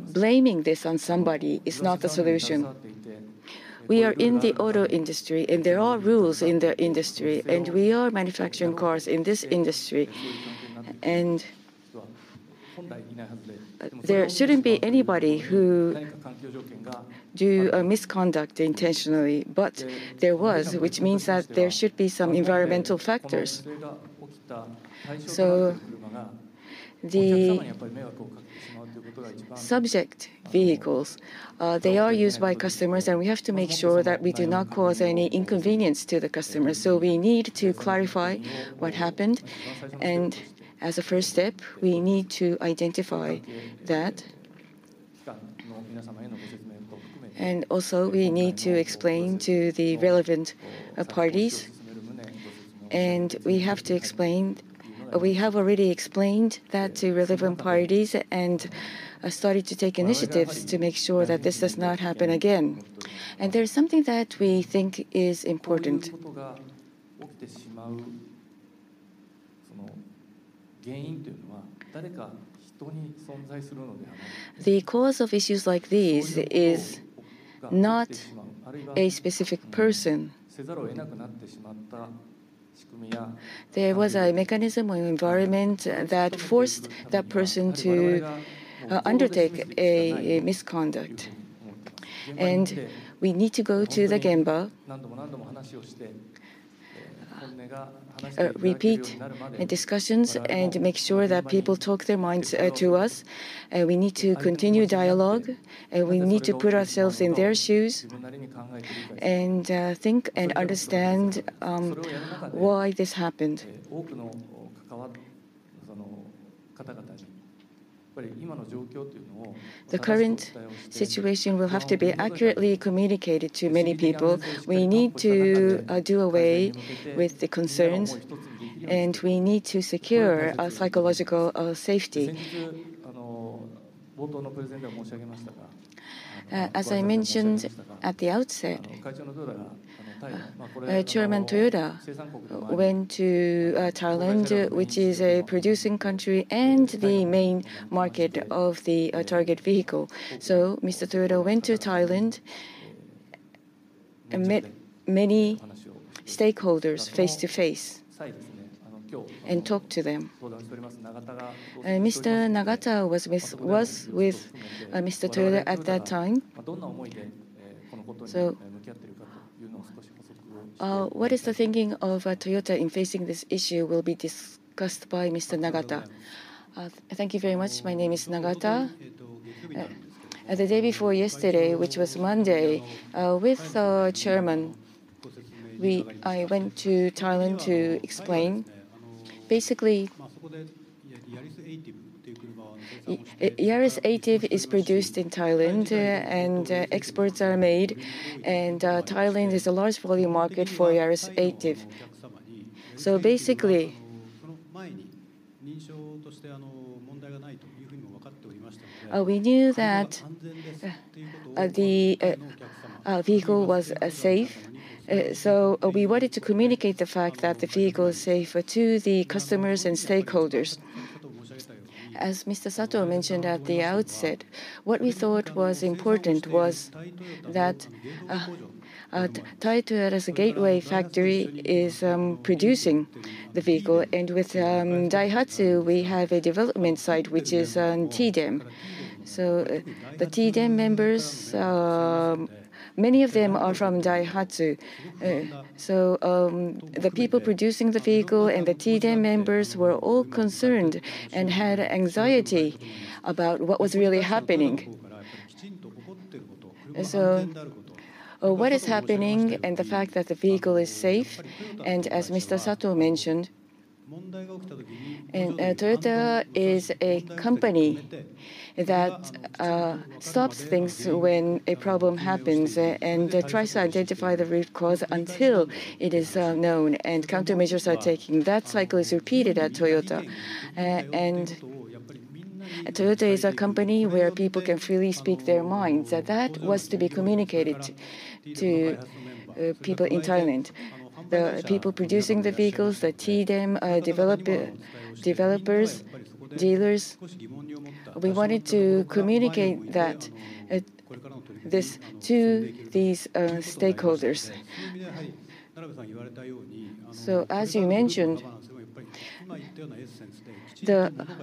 Blaming this on somebody is not the solution. We are in the auto industry, and there are rules in the industry, and we are manufacturing cars in this industry. There shouldn't be anybody who do a misconduct intentionally, but there was, which means that there should be some environmental factors. The subject vehicles, they are used by customers, and we have to make sure that we do not cause any inconvenience to the customers. We need to clarify what happened. As a first step, we need to identify that. Also, we need to explain to the relevant parties, and we have to explain... We have already explained that to relevant parties and started to take initiatives to make sure that this does not happen again. There's something that we think is important. The cause of issues like this is not a specific person. There was a mechanism or environment that forced that person to undertake a misconduct. We need to go to the gemba, repeat the discussions, and make sure that people talk their minds to us. We need to continue dialogue, and we need to put ourselves in their shoes and think and understand why this happened. The current situation will have to be accurately communicated to many people. We need to do away with the concerns, and we need to secure our psychological safety. As I mentioned at the outset, Chairman Toyoda went to Thailand, which is a producing country and the main market of the target vehicle. Mr. Toyoda went to Thailand and met many stakeholders face to face and talked to them. Mr. Nagata was with Mr. Toyoda at that time. What is the thinking of Toyota in facing this issue will be discussed by Mr. Nagata. Thank you very much. My name is Nagata. The day before yesterday, which was Monday, with our chairman, I went to Thailand to explain. Basically, Yaris ATIV is produced in Thailand, and exports are made, and Thailand is a large volume market for Yaris ATIV. Basically, we knew that the vehicle was safe. We wanted to communicate the fact that the vehicle is safe to the customers and stakeholders. As Mr. Sato mentioned at the outset, what we thought was important was that Thai Toyota as a gateway factory is producing the vehicle. With Daihatsu, we have a development site, which is TDEM. The TDEM members, many of them are from Daihatsu. The people producing the vehicle and the TDEM members were all concerned and had anxiety about what was really happening. What is happening and the fact that the vehicle is safe, and as Mr. Sato mentioned, Toyota is a company that stops things when a problem happens and tries to identify the root cause until it is known and countermeasures are taken. That cycle is repeated at Toyota. Toyota is a company where people can freely speak their minds, that was to be communicated to people in Thailand. The people producing the vehicles, the TDEM developers, dealers, we wanted to communicate that this to these stakeholders. As you mentioned,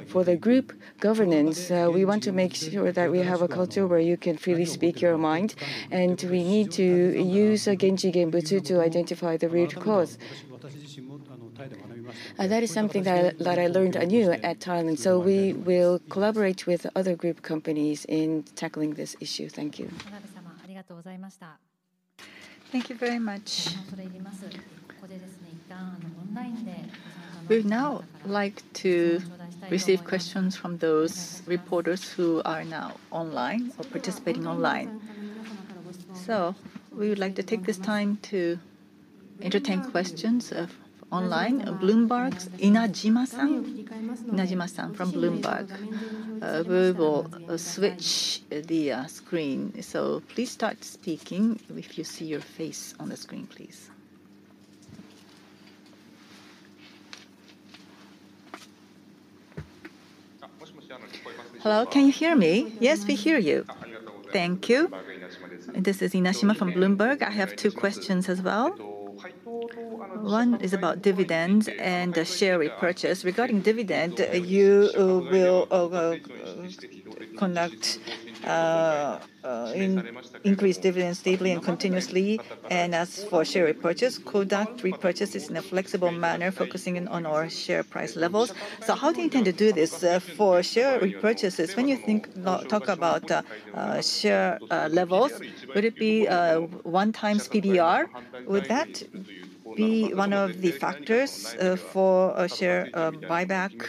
for the group governance, we want to make sure that we have a culture where you can freely speak your mind, and we need to use a genchi genbutsu to identify the root cause. That is something that I learned anew at Thailand. We will collaborate with other group companies in tackling this issue. Thank you. Thank you very much. We'd now like to receive questions from those reporters who are now online or participating online. We would like to take this time to entertain questions of online. Bloomberg's Inajima-san. Inajima-san from Bloomberg. We will switch the screen. Please start speaking if you see your face on the screen, please. Hello, can you hear me? Yes, we hear you. Thank you. This is Inajima from Bloomberg. I have two questions as well. One is about dividends and the share repurchase. Regarding dividend, you will conduct increase dividends stably and continuously. As for share repurchase, conduct repurchases in a flexible manner, focusing in on our share price levels. How do you intend to do this for share repurchases? When you think talk about share levels, would it be one times PBR? Would that be one of the factors for a share buyback?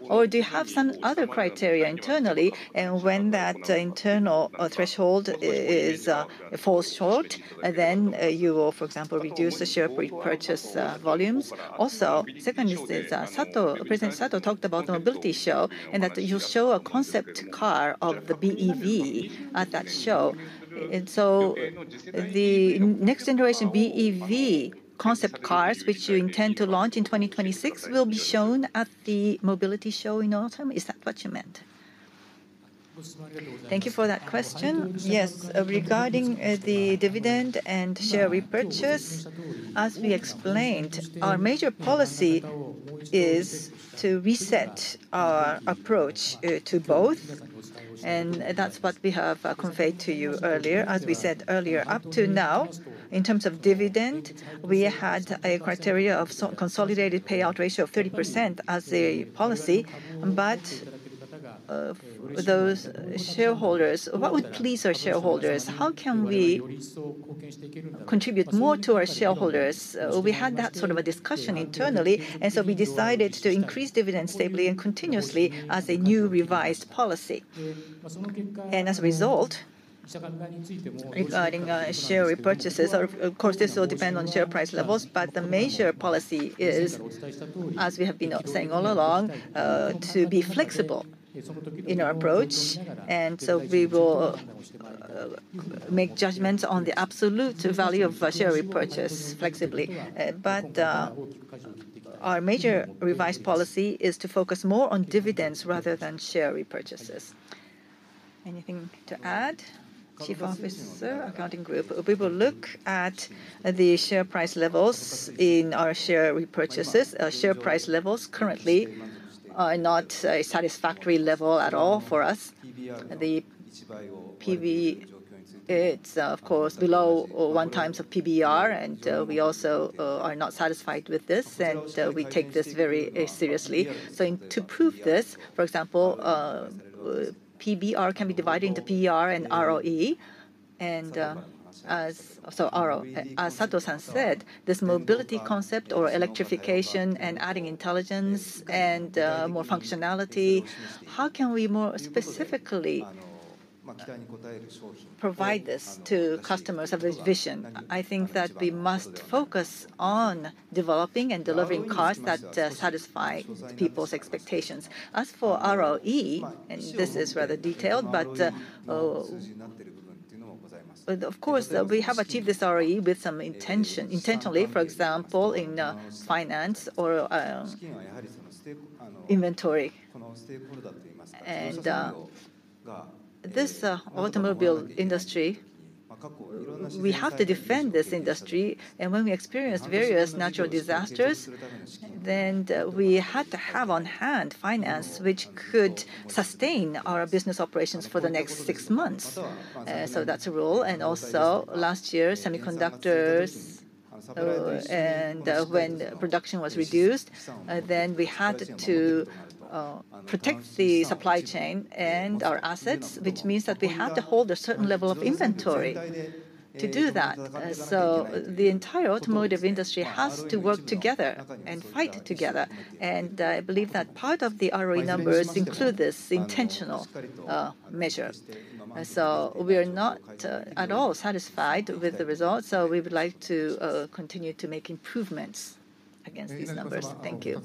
Or do you have some other criteria internally? When that internal threshold is falls short, then you will, for example, reduce the share repurchase volumes. Secondly, since President Sato talked about Mobility Show and that you'll show a concept car of the BEV at that show. The next generation BEV concept cars which you intend to launch in 2026 will be shown at the Mobility Show in autumn, is that what you meant? Thank you for that question. Yes, regarding the dividend and share repurchase, as we explained, our major policy is to reset our approach to both, and that's what we have conveyed to you earlier. As we said earlier, up to now, in terms of dividend, we had a criteria of consolidated payout ratio of 30% as a policy. Those shareholders, what would please our shareholders? How can we contribute more to our shareholders? We had that sort of a discussion internally. We decided to increase dividends stably and continuously as a new revised policy. As a result, regarding share repurchases, of course, this will depend on share price levels, but the major policy is, as we have been saying all along, to be flexible in our approach. We will make judgments on the absolute value of a share repurchase flexibly. Our major revised policy is to focus more on dividends rather than share repurchases. Anything to add, Chief Officer, Accounting Group? We will look at the share price levels in our share repurchases. Our share price levels currently are not a satisfactory level at all for us. The PBR, it's of course below 1x of PBR, we also are not satisfied with this, we take this very seriously. To prove this, for example, PBR can be divided into PER and ROE. As Sato-san said, this mobility concept or electrification and adding intelligence and more functionality, how can we more specifically provide this to customers of this vision? I think that we must focus on developing and delivering cars that satisfy people's expectations. As for ROE, this is rather detailed, but of course, we have achieved this ROE with some intention, intentionally, for example, in finance or inventory. This automobile industry, we have to defend this industry, and when we experience various natural disasters, then we had to have on-hand finance which could sustain our business operations for the next six months. That's a role. Also last year, semiconductors, and when production was reduced, then we had to protect the supply chain and our assets, which means that we had to hold a certain level of inventory to do that. The entire automotive industry has to work together and fight together. I believe that part of the ROE numbers include this intentional measure. We are not at all satisfied with the results, we would like to continue to make improvements against these numbers. Thank you.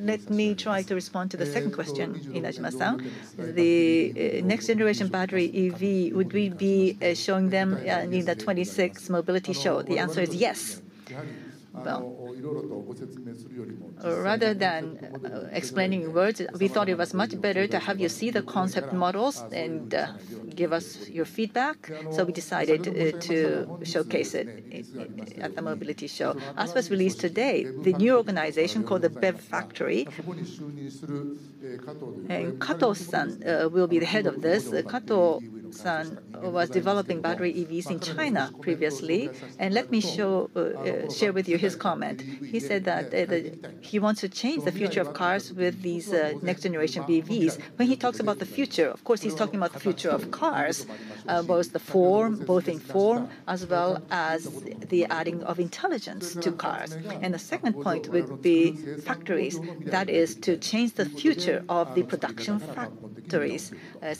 Let me try to respond to the second question, Inajima-san. The next generation battery EV, would we be showing them in the 26 mobility show? The answer is yes. Rather than explaining words, we thought it was much better to have you see the concept models and give us your feedback. We decided to showcase it at the mobility show. As was released today, the new organization called the BEV Factory, Kato-san will be the head of this. Kato-san was developing battery EVs in China previously. Let me share with you his comment. He said that he wants to change the future of cars with these next generation BEVs. When he talks about the future, of course, he's talking about the future of cars, both in form, as well as the adding of intelligence to cars. The second point with the factories, that is to change the future of the production factory....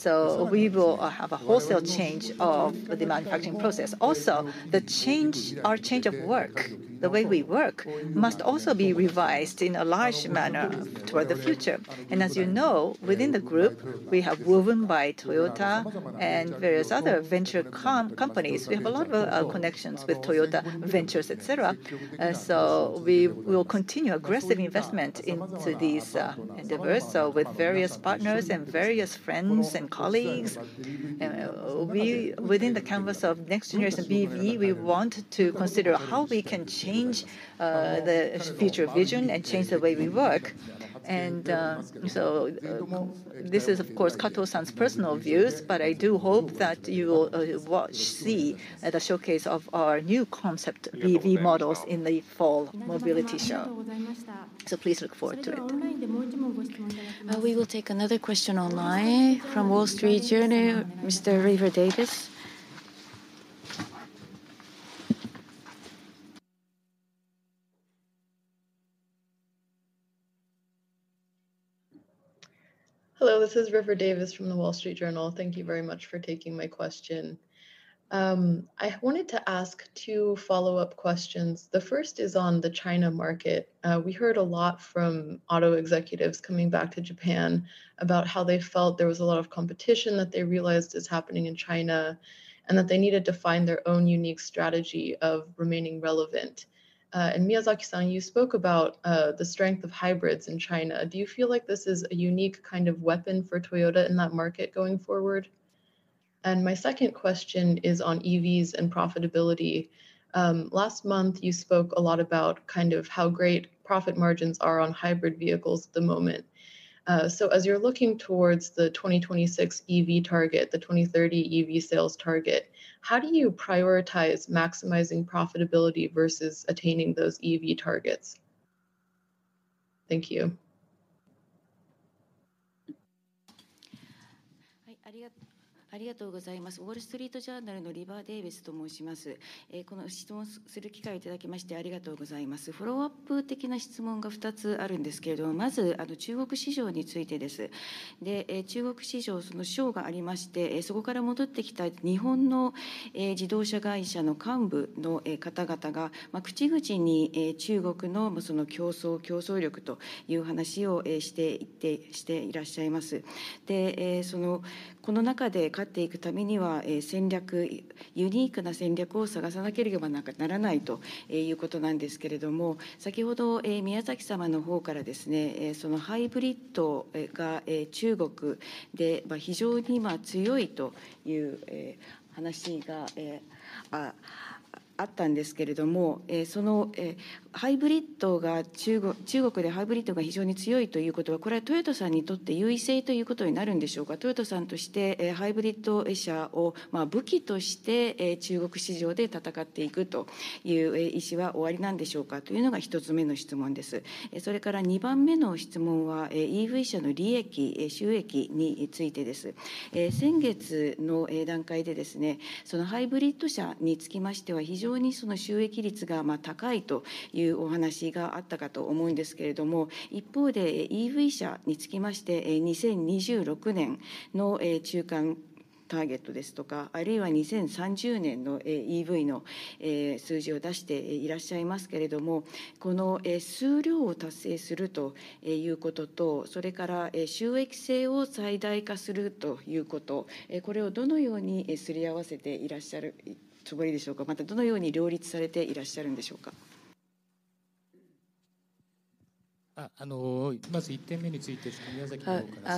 so we will have a wholesale change of the manufacturing process. Also, the change, our change of work, the way we work, must also be revised in a large manner toward the future. As you know, within the group, we have Woven by Toyota and various other venture companies. We have a lot of connections with Toyota Ventures, et cetera, so we will continue aggressive investment into these endeavors. With various partners and various friends and colleagues, we, within the canvas of next generation BEV, we want to consider how we can change the future vision and change the way we work. This is of course Kato-san's personal views, but I do hope that you will watch, see the showcase of our new concept BEV models in the fall mobility show. Please look forward to it. We will take another question online from Wall Street Journal, Mr. River Davis. Hello, this is River Davis from the Wall Street Journal. Thank you very much for taking my question. I wanted to ask two follow-up questions. The first is on the China market. We heard a lot from auto executives coming back to Japan about how they felt there was a lot of competition that they realized is happening in China, and that they needed to find their own unique strategy of remaining relevant. Miyazaki-san, you spoke about the strength of hybrids in China. Do you feel like this is a unique kind of weapon for Toyota in that market going forward? My second question is on EVs and profitability. last month you spoke a lot about kind of how great profit margins are on hybrid vehicles at the moment. As you're looking towards the 2026 EV target, the 2030 EV sales target, how do you prioritize maximizing profitability versus attaining those EV targets? Thank you.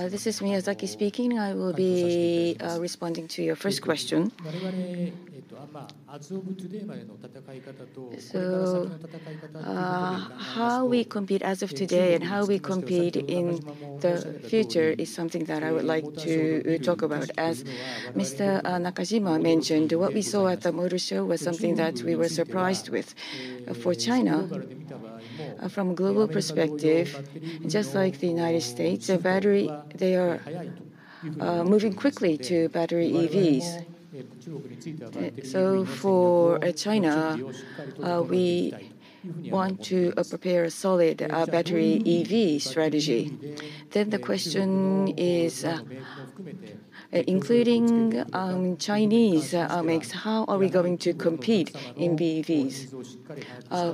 This is Miyazaki speaking. I will be responding to your first question. How we compete as of today and how we compete in the future is something that I would like to talk about. As Mr. Nakajima mentioned, what we saw at the motor show was something that we were surprised with. For China, from global perspective, just like the United States, the battery, they are moving quickly to battery EVs. For China, we want to prepare a solid battery EV strategy. The question is, including Chinese makes, how are we going to compete in BEVs?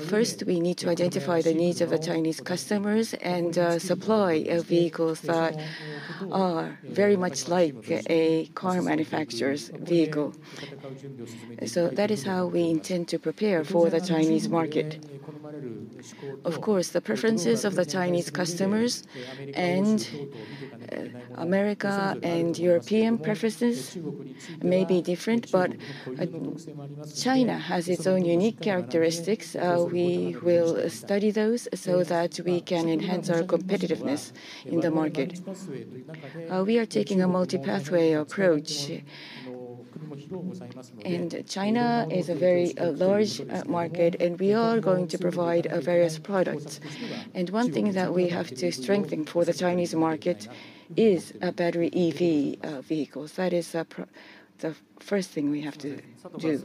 First we need to identify the needs of the Chinese customers, and supply a vehicle that are very much like a car manufacturer's vehicle. That is how we intend to prepare for the Chinese market. Of course, the preferences of the Chinese customers and America and European preferences may be different. China has its own unique characteristics. We will study those so that we can enhance our competitiveness in the market. We are taking a multi-pathway approach. China is a very large market, and we are going to provide various products. One thing that we have to strengthen for the Chinese market is battery EV vehicles. That is the first thing we have to do.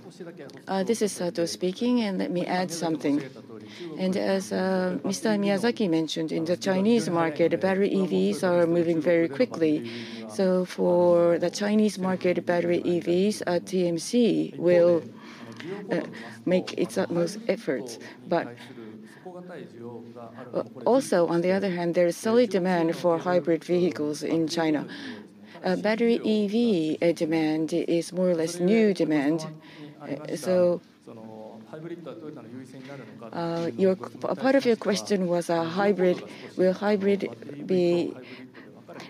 This is Sato speaking, and let me add something. As Mr. Miyazaki mentioned, in the Chinese market, battery EVs are moving very quickly. For the Chinese market, battery EVs at TMC will make its utmost efforts. Also, on the other hand, there is solid demand for hybrid vehicles in China. Battery EV demand is more or less new demand. Your part of your question was, hybrid, will hybrid be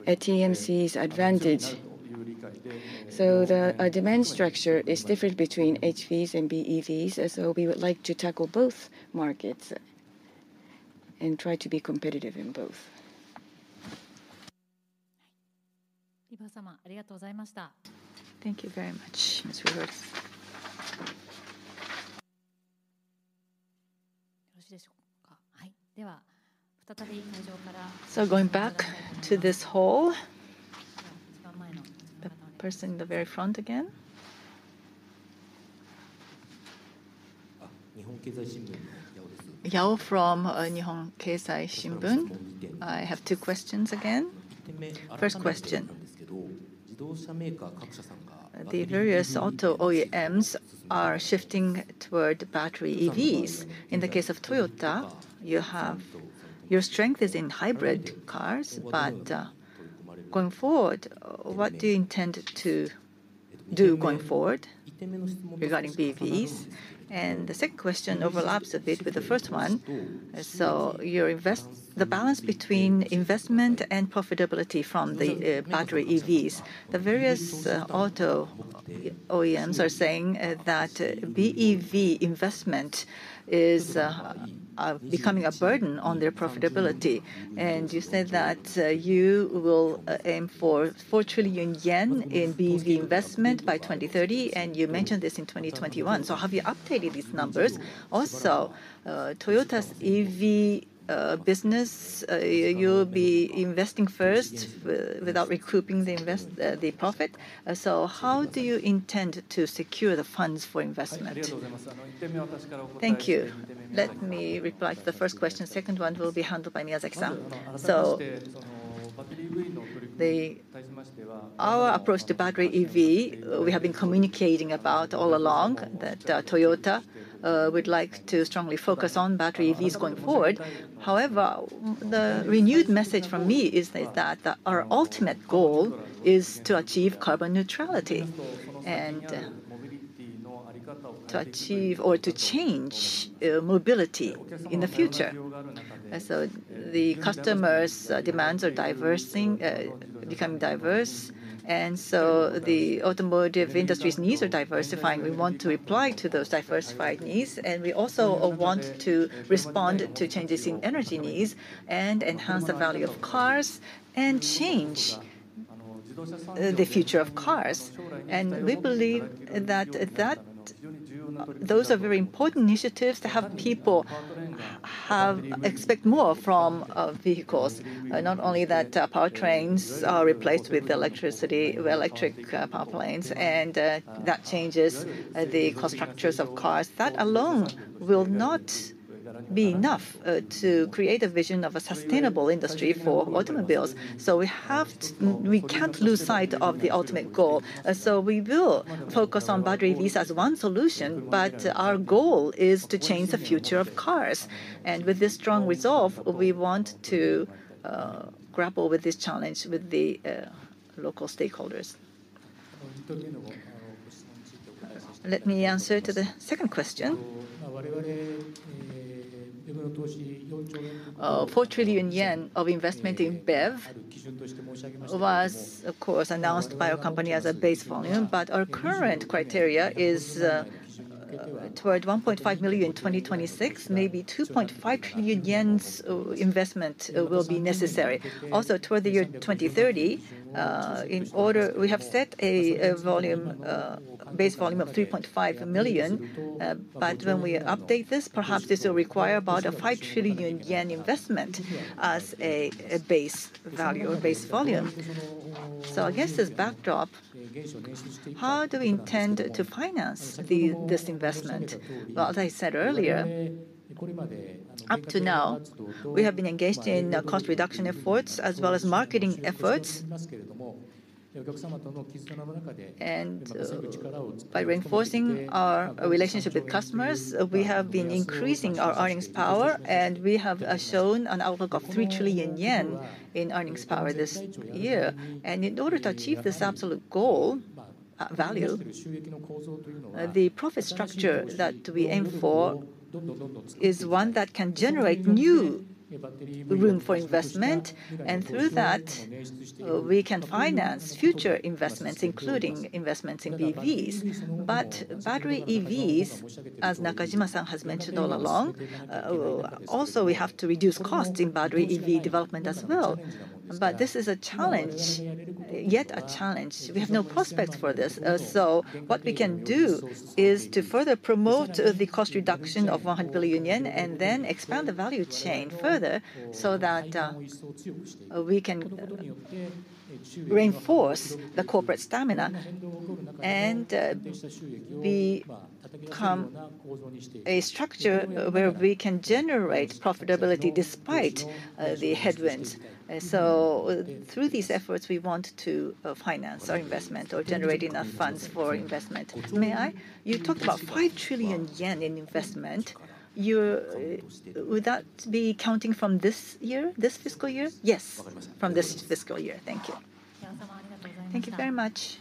a TMC's advantage? The demand structure is different between HVs and BEVs, and so we would like to tackle both markets and try to be competitive in both. Thank you very much, Mr. River. Going back to this hall. The person in the very front again. Yao from Nihon Keizai Shimbun. I have two questions again. First question. The various auto OEMs are shifting toward battery EVs. In the case of Toyota, you have, your strength is in hybrid cars, but going forward, what do you intend to do going forward regarding BEVs? The second question overlaps a bit with the first one. Your the balance between investment and profitability from the battery EVs. The various auto OEMs are saying that BEV investment is becoming a burden on their profitability, and you said that you will aim for 4 trillion yen in BEV investment by 2030, and you mentioned this in 2021. Have you updated these numbers? Also, Toyota's EV business, you'll be investing first without recouping the profit. How do you intend to secure the funds for investment? Thank you. Let me reply to the first question. Second one will be handled by Miyazaki-san. Our approach to battery EV, we have been communicating about all along, that Toyota would like to strongly focus on battery EVs going forward. However, the renewed message from me is that our ultimate goal is to achieve carbon neutrality and to achieve or to change mobility in the future. The customers' demands are diversing, becoming diverse, and the automotive industry's needs are diversifying. We want to reply to those diversified needs, and we also want to respond to changes in energy needs and enhance the value of cars and change the future of cars. We believe that those are very important initiatives to expect more from vehicles. Not only that, powertrains are replaced with electricity, electric power plants, and that changes the cost structures of cars. That alone will not be enough to create a vision of a sustainable industry for automobiles. We can't lose sight of the ultimate goal. We will focus on battery EVs as one solution, but our goal is to change the future of cars. With this strong resolve, we want to grapple with this challenge with the local stakeholders. Let me answer to the second question. Four trillion yen of investment in BEV was, of course, announced by our company as a base volume. Our current criteria is toward 1.5 million in 2026, maybe 2.5 trillion investment will be necessary. Toward the year 2030, in order, we have set a volume, base volume of 3.5 million, but when we update this, perhaps this will require about a 5 trillion yen investment as a base value or base volume. Against this backdrop, how do we intend to finance this investment? As I said earlier, up to now, we have been engaged in cost reduction efforts as well as marketing efforts. By reinforcing our relationship with customers, we have been increasing our earnings power, we have shown an outlook of 3 trillion yen in earnings power this year. In order to achieve this absolute goal, value, the profit structure that we aim for is one that can generate new room for investment. Through that, we can finance future investments, including investments in BEVs. Battery EVs, as Nakajima-san has mentioned all along, also we have to reduce cost in battery EV development as well. This is a challenge, yet a challenge. We have no prospects for this. What we can do is to further promote the cost reduction of 100 billion yen and then expand the value chain further so that we can reinforce the corporate stamina and become a structure where we can generate profitability despite the headwinds. Through these efforts, we want to finance our investment or generate enough funds for investment. May I? You talked about 5 trillion yen in investment. You're, would that be counting from this year, this fiscal year? Yes. From this fiscal year. Thank you. Thank you very much.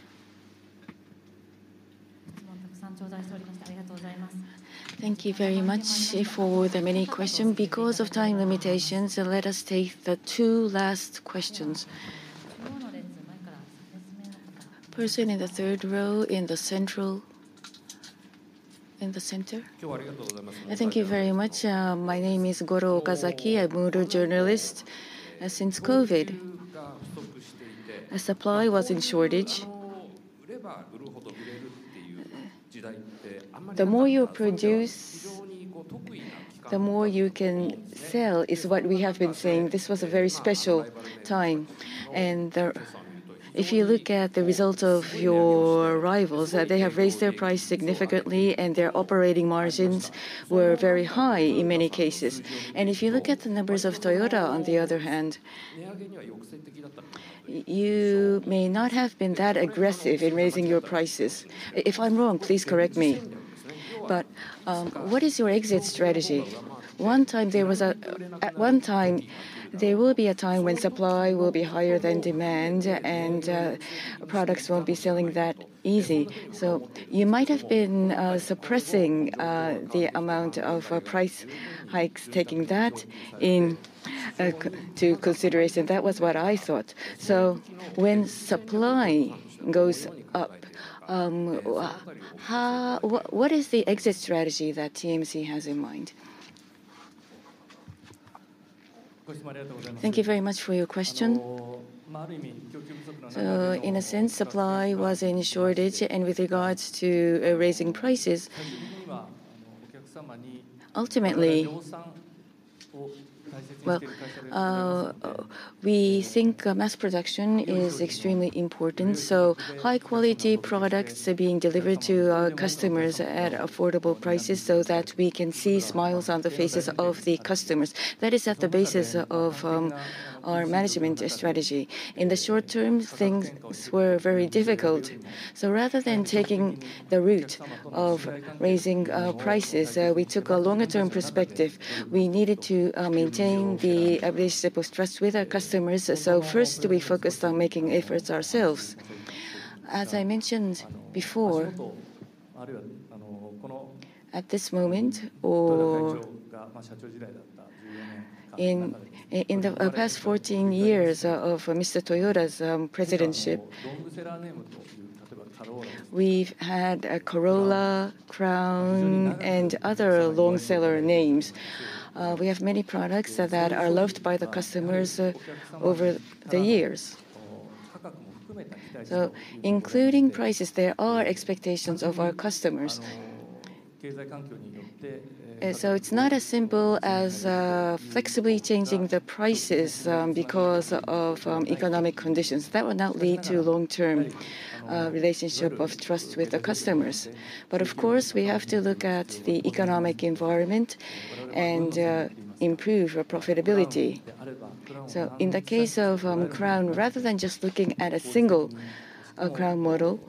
Thank you very much for the many question. Because of time limitations, let us take the two last questions. Person in the third row in the central, in the center. Thank you very much. My name is Goro Okazaki. I'm auto journalist. Since COVID, supply was in shortage. The more you produce, the more you can sell, is what we have been saying. This was a very special time. If you look at the result of your rivals, they have raised their price significantly, and their operating margins were very high in many cases. If you look at the numbers of Toyota on the other hand, you may not have been that aggressive in raising your prices. If I'm wrong, please correct me. What is your exit strategy? At one time, there will be a time when supply will be higher than demand and products won't be selling that easy. You might have been suppressing the amount of price hikes, taking that into consideration. That was what I thought. When supply goes up, what is the exit strategy that TMC has in mind? Thank you very much for your question. In a sense, supply was in shortage, and with regards to raising prices, ultimately, well, we think mass production is extremely important, so high quality products are being delivered to our customers at affordable prices so that we can see smiles on the faces of the customers. That is at the basis of our management strategy. In the short term, things were very difficult. Rather than taking the route of raising prices, we took a longer term perspective. We needed to maintain the relationship of trust with our customers. First we focused on making efforts ourselves. As I mentioned before, at this moment, or in the past 14 years of Mr. Toyoda's presidentship, we've had a Corolla, Crown, and other long seller names. We have many products that are loved by the customers over the years. Including prices, there are expectations of our customers. It's not as simple as flexibly changing the prices because of economic conditions. That would not lead to long-term relationship of trust with the customers. Of course, we have to look at the economic environment and improve our profitability. In the case of Crown, rather than just looking at a single Crown model,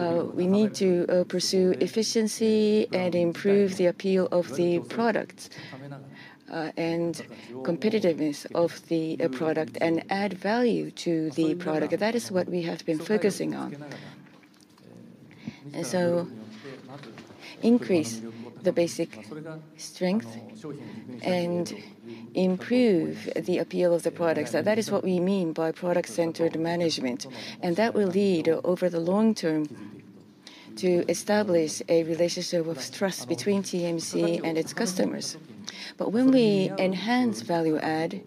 we need to pursue efficiency and improve the appeal of the product, and competitiveness of the product, and add value to the product. That is what we have been focusing on. Increase the basic strength and improve the appeal of the products. That is what we mean by product-centered management, and that will lead, over the long term, to establish a relationship of trust between TMC and its customers. When we enhance value add,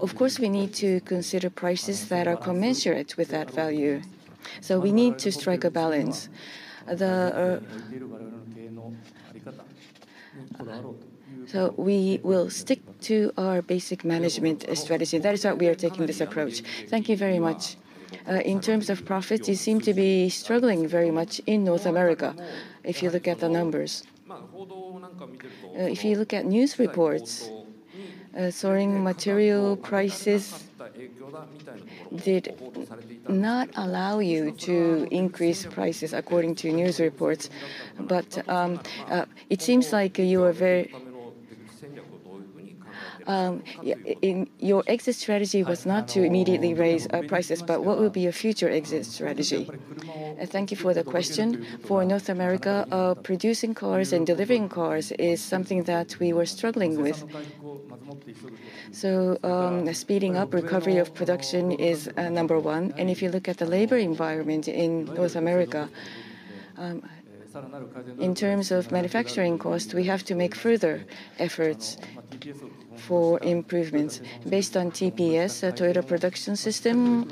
of course, we need to consider prices that are commensurate with that value. We need to strike a balance. We will stick to our basic management strategy. That is why we are taking this approach. Thank you very much. In terms of profits, you seem to be struggling very much in North America, if you look at the numbers. If you look at news reports, soaring material prices did not allow you to increase prices according to news reports. It seems like you are very... in, your exit strategy was not to immediately raise prices, but what will be your future exit strategy? Thank you for the question. For North America, producing cars and delivering cars is something that we were struggling with. Speeding up recovery of production is number one, and if you look at the labor environment in North America, in terms of manufacturing cost, we have to make further efforts for improvements. Based on TPS, Toyota Production System,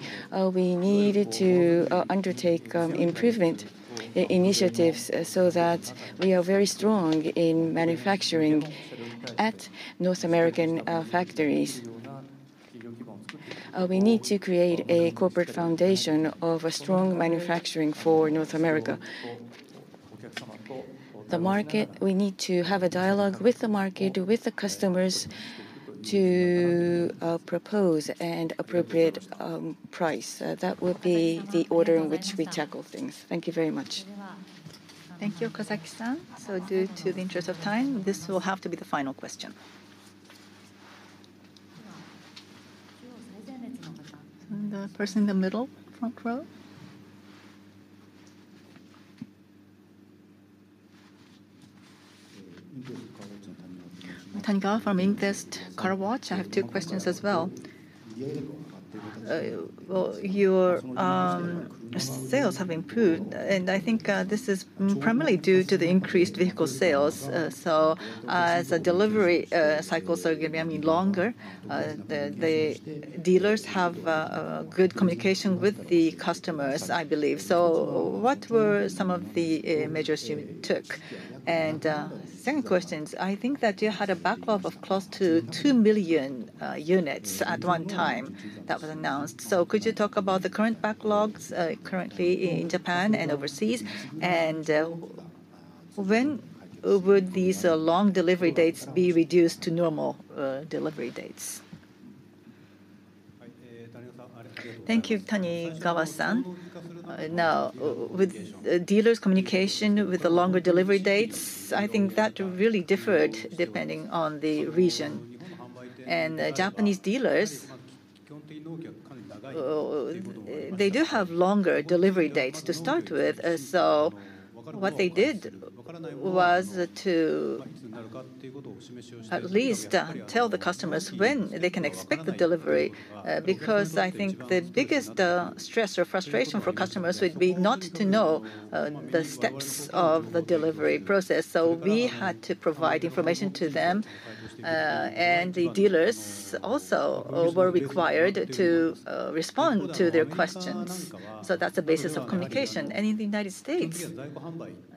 we needed to undertake improvement initiatives so that we are very strong in manufacturing at North American factories. We need to create a corporate foundation of a strong manufacturing for North America. The market, we need to have a dialogue with the market, with the customers to propose an appropriate price. That would be the order in which we tackle things. Thank you very much. Thank you, Okazaki-san. Due to the interest of time, this will have to be the final question. The person in the middle, front row. Tanigawa from Impress Car Watch. I have two questions as well. Well, your sales have improved, and I think this is primarily due to the increased vehicle sales. As the delivery cycles are getting, I mean, longer, the dealers have good communication with the customers, I believe. What were some of the measures you took? Second question, I think that you had a backlog of close to 2 million units at one time that was announced. Could you talk about the current backlogs currently in Japan and overseas? When would these long delivery dates be reduced to normal delivery dates? Thank you, Tanigawa-san. With dealers' communication, with the longer delivery dates, I think that really differed depending on the region. Japanese dealers, they do have longer delivery dates to start with. What they did was to at least tell the customers when they can expect the delivery, because I think the biggest stress or frustration for customers would be not to know the steps of the delivery process. We had to provide information to them, and the dealers also were required to respond to their questions. That's the basis of communication. In the United States,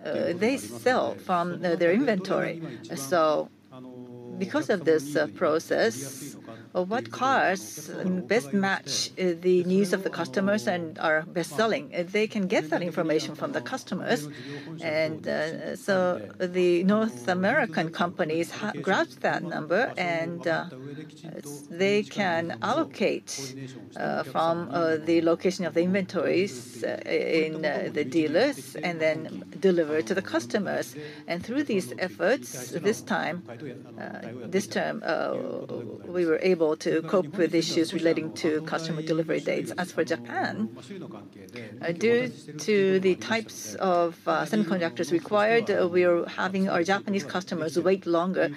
they sell from their inventory. Because of this process of what cars best match the needs of the customers and are best-selling, they can get that information from the customers. So the North American companies grabbed that number, and they can allocate from the location of the inventories in the dealers and then deliver to the customers. Through these efforts, this time, this term, we were able to cope with issues relating to customer delivery dates. As for Japan, due to the types of semiconductors required, we are having our Japanese customers wait longer.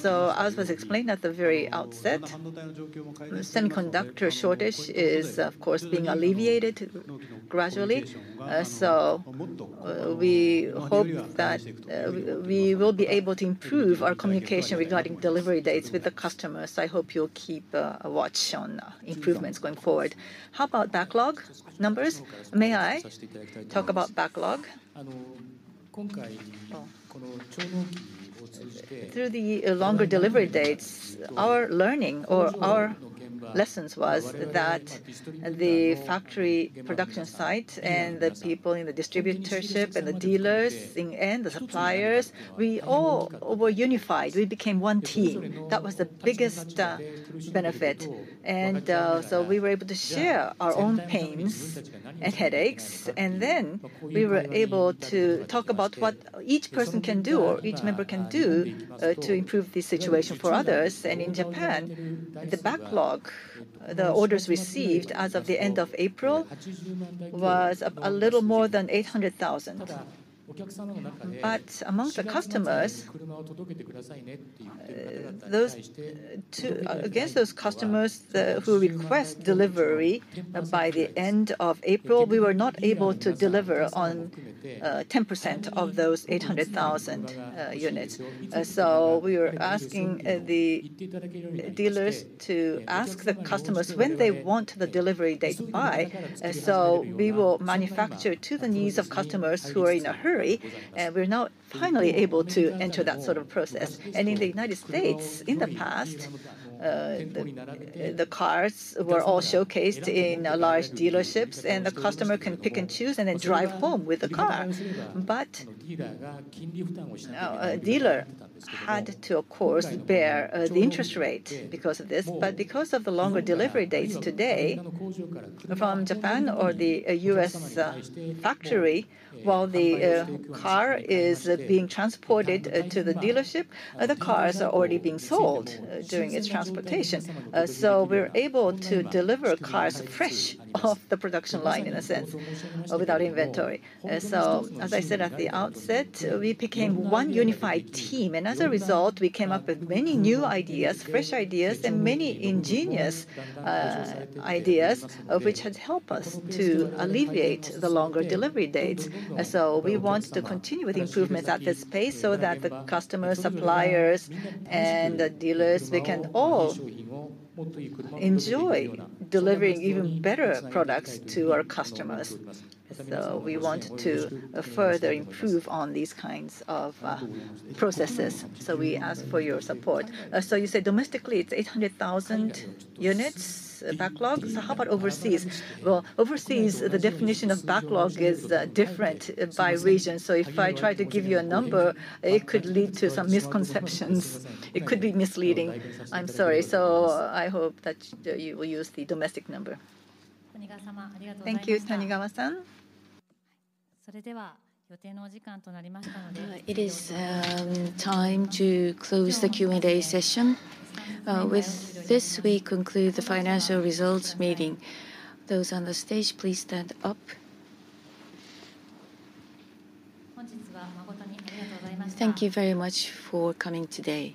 So as was explained at the very outset, semiconductor shortage is, of course, being alleviated gradually. We hope that we will be able to improve our communication regarding delivery dates with the customers. I hope you'll keep a watch on improvements going forward. How about backlog numbers? May I talk about backlog? Through the longer delivery dates, our learning or our lessons was that the factory production site and the people in the distributorship and the dealers and the suppliers, we all were unified. We became one team. That was the biggest benefit. So we were able to share our own pains and headaches, and then we were able to talk about what each person can do or each member can do to improve the situation for others. In Japan, the backlog, the orders received as of the end of April, was a little more than 800,000. Among the customers, against those customers who request delivery by the end of April, we were not able to deliver on 10% of those 800,000 units. We were asking the dealers to ask the customers when they want the delivery date by, so we will manufacture to the needs of customers who are in a hurry. We're now finally able to enter that sort of process. In the United States, in the past, the cars were all showcased in large dealerships, and the customer can pick and choose and then drive home with the car. Now a dealer had to, of course, bear the interest rate because of this. Because of the longer delivery dates today, from Japan or the U.S. factory, while the car is being transported to the dealership, the cars are already being sold during its transportation. We're able to deliver cars fresh off the production line, in a sense, without inventory. As I said at the outset, we became one unified team. As a result, we came up with many new ideas, fresh ideas, and many ingenious ideas, which had helped us to alleviate the longer delivery dates. We want to continue with improvements at this pace so that the customers, suppliers, and the dealers, they can all enjoy delivering even better products to our customers. We want to further improve on these kinds of processes. We ask for your support. You said domestically it's 800,000 units backlog. How about overseas? Well, overseas, the definition of backlog is different by region. If I try to give you a number, it could lead to some misconceptions. It could be misleading. I'm sorry. I hope that you will use the domestic number. Thank you, Tanigawa-san. It is time to close the Q&A session. With this we conclude the financial results meeting. Those on the stage, please stand up. Thank you very much for coming today.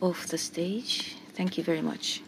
Off the stage. Thank you very much.